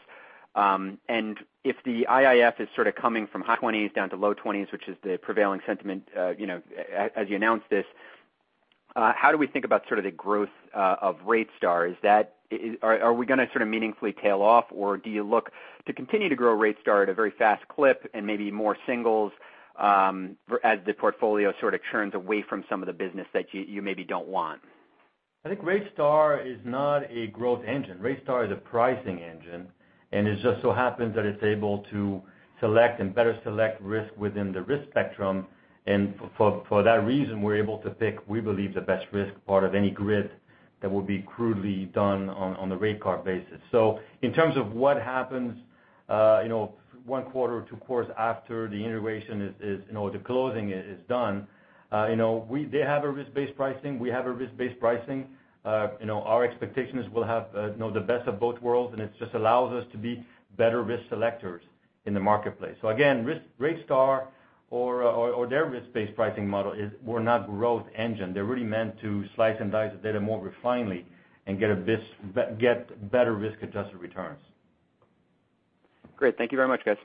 [SPEAKER 12] If the IIF is sort of coming from high 20s down to low 20s, which is the prevailing sentiment as you announced this, how do we think about sort of the growth of RateStar? Are we going to sort of meaningfully tail off, or do you look to continue to grow RateStar at a very fast clip and maybe more singles as the portfolio sort of turns away from some of the business that you maybe don't want?
[SPEAKER 4] I think RateStar is not a growth engine. RateStar is a pricing engine, and it just so happens that it is able to select and better select risk within the risk spectrum. For that reason, we are able to pick, we believe, the best risk part of any grid that will be crudely done on the rate card basis. In terms of what happens one quarter or two quarters after the integration, the closing is done, they have a risk-based pricing, we have a risk-based pricing. Our expectation is we will have the best of both worlds, and it just allows us to be better risk selectors in the marketplace. Again, RateStar or their risk-based pricing model were not growth engine. They are really meant to slice and dice the data more refinedly and get better risk-adjusted returns.
[SPEAKER 12] Great. Thank you very much, guys.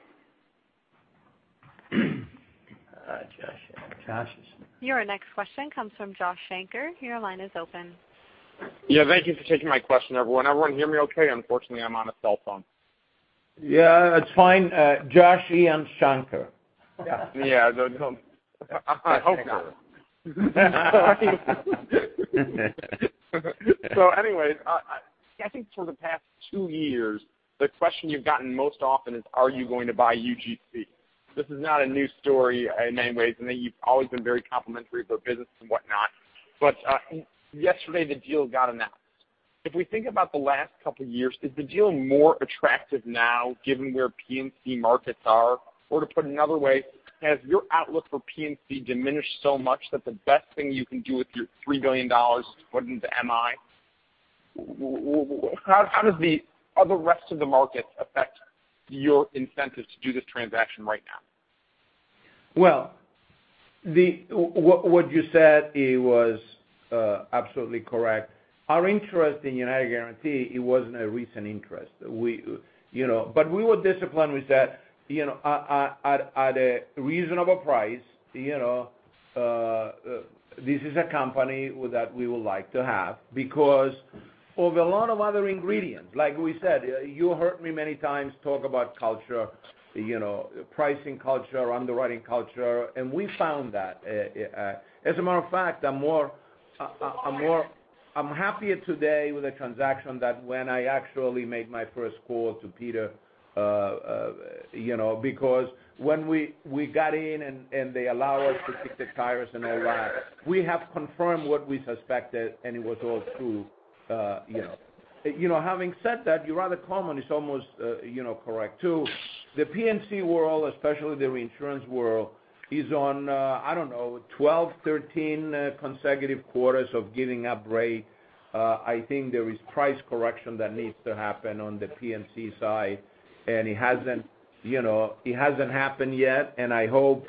[SPEAKER 4] Josh.
[SPEAKER 1] Your next question comes from Josh Shanker. Your line is open.
[SPEAKER 13] Yeah, thank you for taking my question, everyone. Everyone hear me okay? Unfortunately, I am on a cell phone.
[SPEAKER 4] Yeah, it's fine. Josh E. M. Shanker.
[SPEAKER 13] Yeah. I hope so. Anyways, I think for the past 2 years, the question you've gotten most often is, are you going to buy UGC? This is not a new story in many ways, and that you've always been very complimentary of our business and whatnot. Yesterday, the deal got announced. If we think about the last couple of years, is the deal more attractive now given where P&C markets are? To put it another way, has your outlook for P&C diminished so much that the best thing you can do with your $3 billion is to put into MI? How does the rest of the market affect your incentive to do this transaction right now?
[SPEAKER 2] Well, what you said was absolutely correct. Our interest in United Guaranty, it wasn't a recent interest. We were disciplined with that. At a reasonable price, this is a company that we would like to have because of a lot of other ingredients. Like we said, you heard me many times talk about culture, pricing culture, underwriting culture, and we found that. As a matter of fact, I'm happier today with the transaction than when I actually made my first call to Peter because when we got in, and they allow us to kick the tires and all that, we have confirmed what we suspected, and it was all true. Having said that, your other comment is almost correct, too. The P&C world, especially the reinsurance world, is on, I don't know, 12, 13 consecutive quarters of giving up rate. I think there is price correction that needs to happen on the P&C side, and it hasn't happened yet, and I hope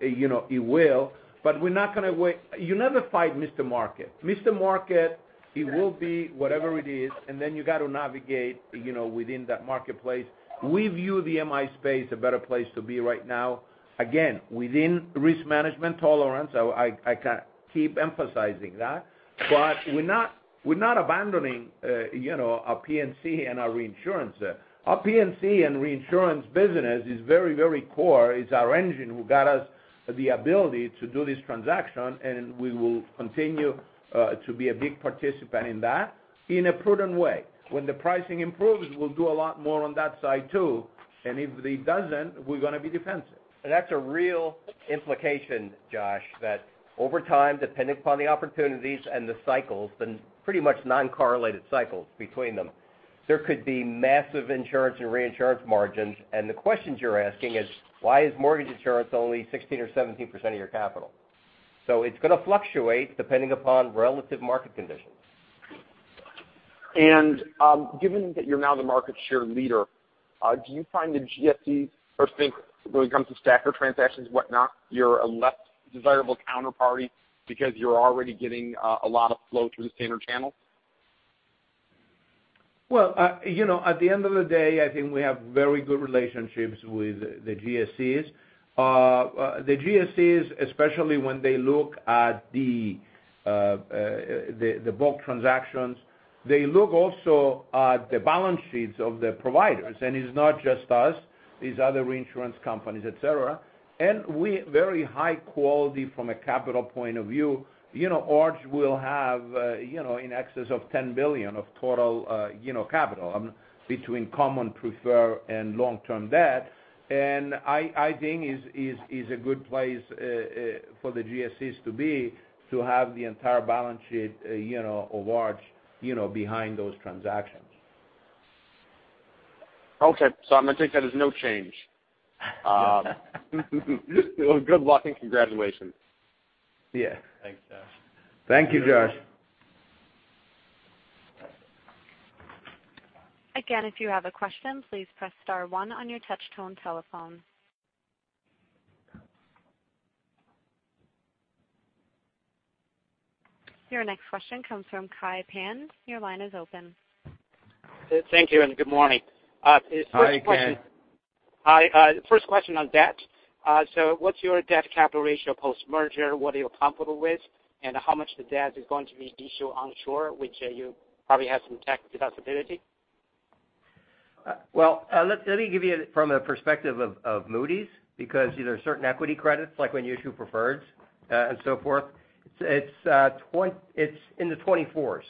[SPEAKER 2] it will. We're not going to wait. You never fight Mr. Market. Mr. Market, it will be whatever it is, then you got to navigate within that marketplace. We view the MI space a better place to be right now. Again, within risk management tolerance, I kind of keep emphasizing that. We're not abandoning our P&C and our reinsurance there. Our P&C and reinsurance business is very core. It's our engine who got us the ability to do this transaction, and we will continue to be a big participant in that in a prudent way. When the pricing improves, we'll do a lot more on that side, too. If it doesn't, we're going to be defensive.
[SPEAKER 3] That's a real implication, Josh, that over time, depending upon the opportunities and the cycles, been pretty much non-correlated cycles between them. There could be massive insurance and reinsurance margins, and the questions you're asking is, why is mortgage insurance only 16% or 17% of your capital? It's going to fluctuate depending upon relative market conditions.
[SPEAKER 13] Given that you're now the market share leader, do you find the GSEs or think when it comes to STACR transactions, whatnot, you're a less desirable counterparty because you're already getting a lot of flow through the standard channel?
[SPEAKER 2] Well, at the end of the day, I think we have very good relationships with the GSEs. The GSEs, especially when they look at the bulk transactions, they look also at the balance sheets of the providers, and it's not just us. It's other reinsurance companies, et cetera. We're very high quality from a capital point of view. Arch will have in excess of $10 billion of total capital between common, preferred, and long-term debt. I think it's a good place for the GSEs to be to have the entire balance sheet of Arch behind those transactions.
[SPEAKER 13] Okay. I'm going to take that as no change. Good luck and congratulations.
[SPEAKER 3] Yeah. Thanks, Josh.
[SPEAKER 2] Thank you, Josh.
[SPEAKER 1] Again, if you have a question, please press star one on your touch-tone telephone. Your next question comes from Kai Pan. Your line is open.
[SPEAKER 14] Thank you and good morning.
[SPEAKER 2] Hi, Kai.
[SPEAKER 14] Hi. First question on debt. What's your debt capital ratio post-merger? What are you comfortable with, and how much of the debt is going to be issued onshore, which you probably have some tax deductibility?
[SPEAKER 3] Well, let me give you from a perspective of Moody's, because there are certain equity credits, like when you issue preferreds, and so forth. It's in the 24%.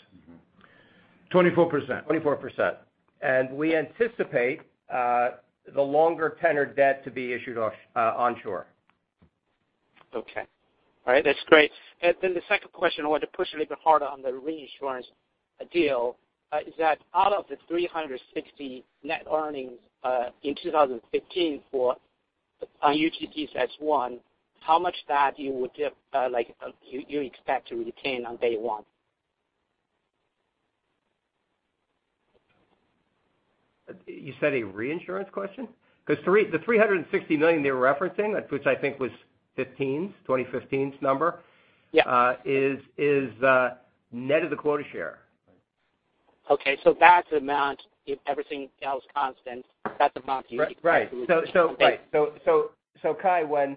[SPEAKER 2] 24%.
[SPEAKER 3] 24%. We anticipate the longer tenured debt to be issued onshore.
[SPEAKER 14] Okay. All right. That's great. The second question, I want to push a little bit harder on the reinsurance deal, is that out of the $360 net earnings in 2015 for UGC as one, how much that you would give, like you expect to retain on day one?
[SPEAKER 3] You said a reinsurance question? The $360 million they were referencing, which I think was 2015's number.
[SPEAKER 14] Yeah
[SPEAKER 3] is net of the quota share.
[SPEAKER 14] Okay, that amount, if everything else constant, that's the amount you.
[SPEAKER 3] Right.
[SPEAKER 14] Okay.
[SPEAKER 3] Kai, when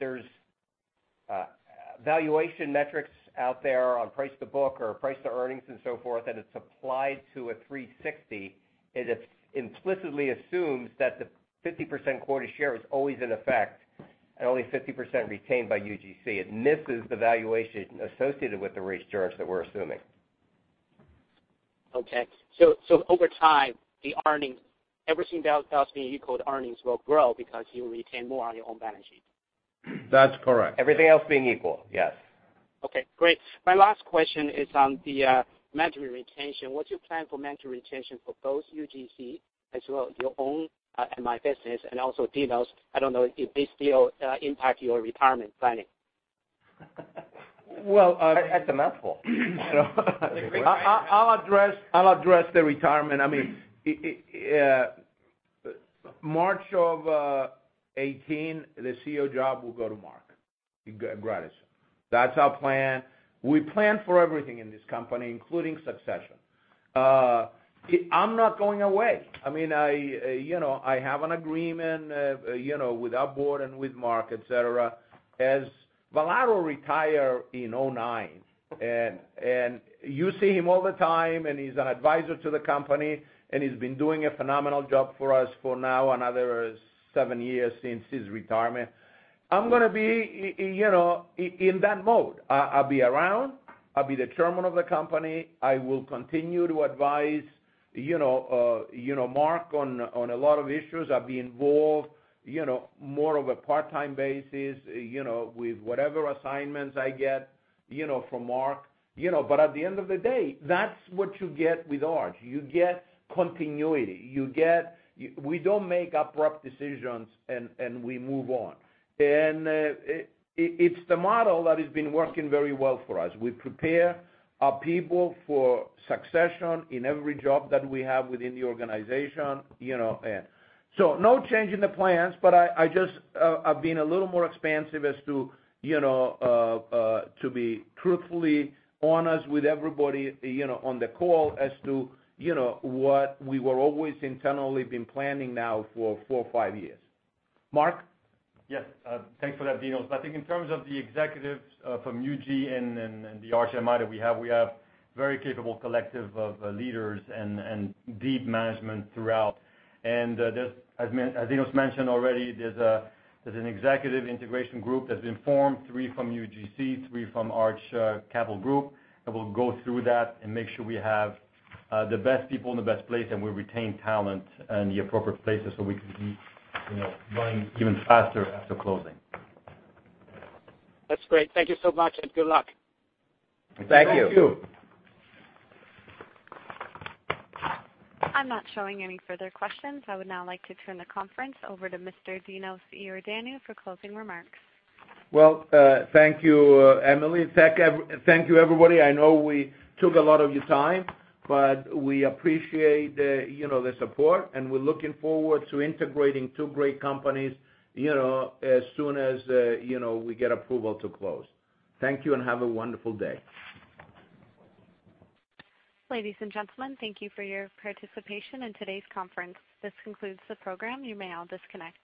[SPEAKER 3] there's valuation metrics out there on price to book or price to earnings and so forth, and it's applied to a 360, it implicitly assumes that the 50% quota share is always in effect. Only 50% retained by UGC. It misses the valuation associated with the reinsurance that we're assuming.
[SPEAKER 14] Okay. Over time, everything else being equal, the earnings will grow because you retain more on your own balance sheet.
[SPEAKER 4] That's correct.
[SPEAKER 3] Everything else being equal, yes.
[SPEAKER 14] Okay, great. My last question is on the management retention. What's your plan for management retention for both UGC as well as your own MI business and also Dinos, I don't know if this still impacts your retirement planning.
[SPEAKER 4] Well-
[SPEAKER 3] That's a mouthful.
[SPEAKER 2] I'll address the retirement. March of 2018, the CEO job will go to Marc Grandisson. That's our plan. We plan for everything in this company, including succession. I'm not going away. I have an agreement with our board and with Marc, et cetera. As Vollaro retired in 2009, and you see him all the time, and he's an advisor to the company, and he's been doing a phenomenal job for us for now another seven years since his retirement. I'm going to be in that mode. I'll be around, I'll be the chairman of the company. I will continue to advise Marc on a lot of issues. I'll be involved, more of a part-time basis, with whatever assignments I get from Marc. At the end of the day, that's what you get with Arch. You get continuity. We don't make abrupt decisions and we move on.
[SPEAKER 4] It's the model that has been working very well for us. We prepare our people for succession in every job that we have within the organization. No change in the plans, but I've been a little more expansive as to be truthfully honest with everybody on the call as to what we were always internally been planning now for four or five years. Marc? Yes. Thanks for that, Dinos. I think in terms of the executives from UG and the Arch MI that we have, we have very capable collective of leaders and deep management throughout. As Dinos mentioned already, there's an executive integration group that's been formed, three from UGC, three from Arch Capital Group, that will go through that and make sure we have the best people in the best place, and we retain talent in the appropriate places so we can be running even faster after closing.
[SPEAKER 14] That's great. Thank you so much, and good luck.
[SPEAKER 4] Thank you.
[SPEAKER 3] Thank you.
[SPEAKER 1] I'm not showing any further questions. I would now like to turn the conference over to Mr. Constantine Iordanou for closing remarks.
[SPEAKER 2] Well, thank you, Emily. Thank you, everybody. I know we took a lot of your time, but we appreciate the support, and we're looking forward to integrating two great companies as soon as we get approval to close. Thank you and have a wonderful day.
[SPEAKER 1] Ladies and gentlemen, thank you for your participation in today's conference. This concludes the program. You may all disconnect.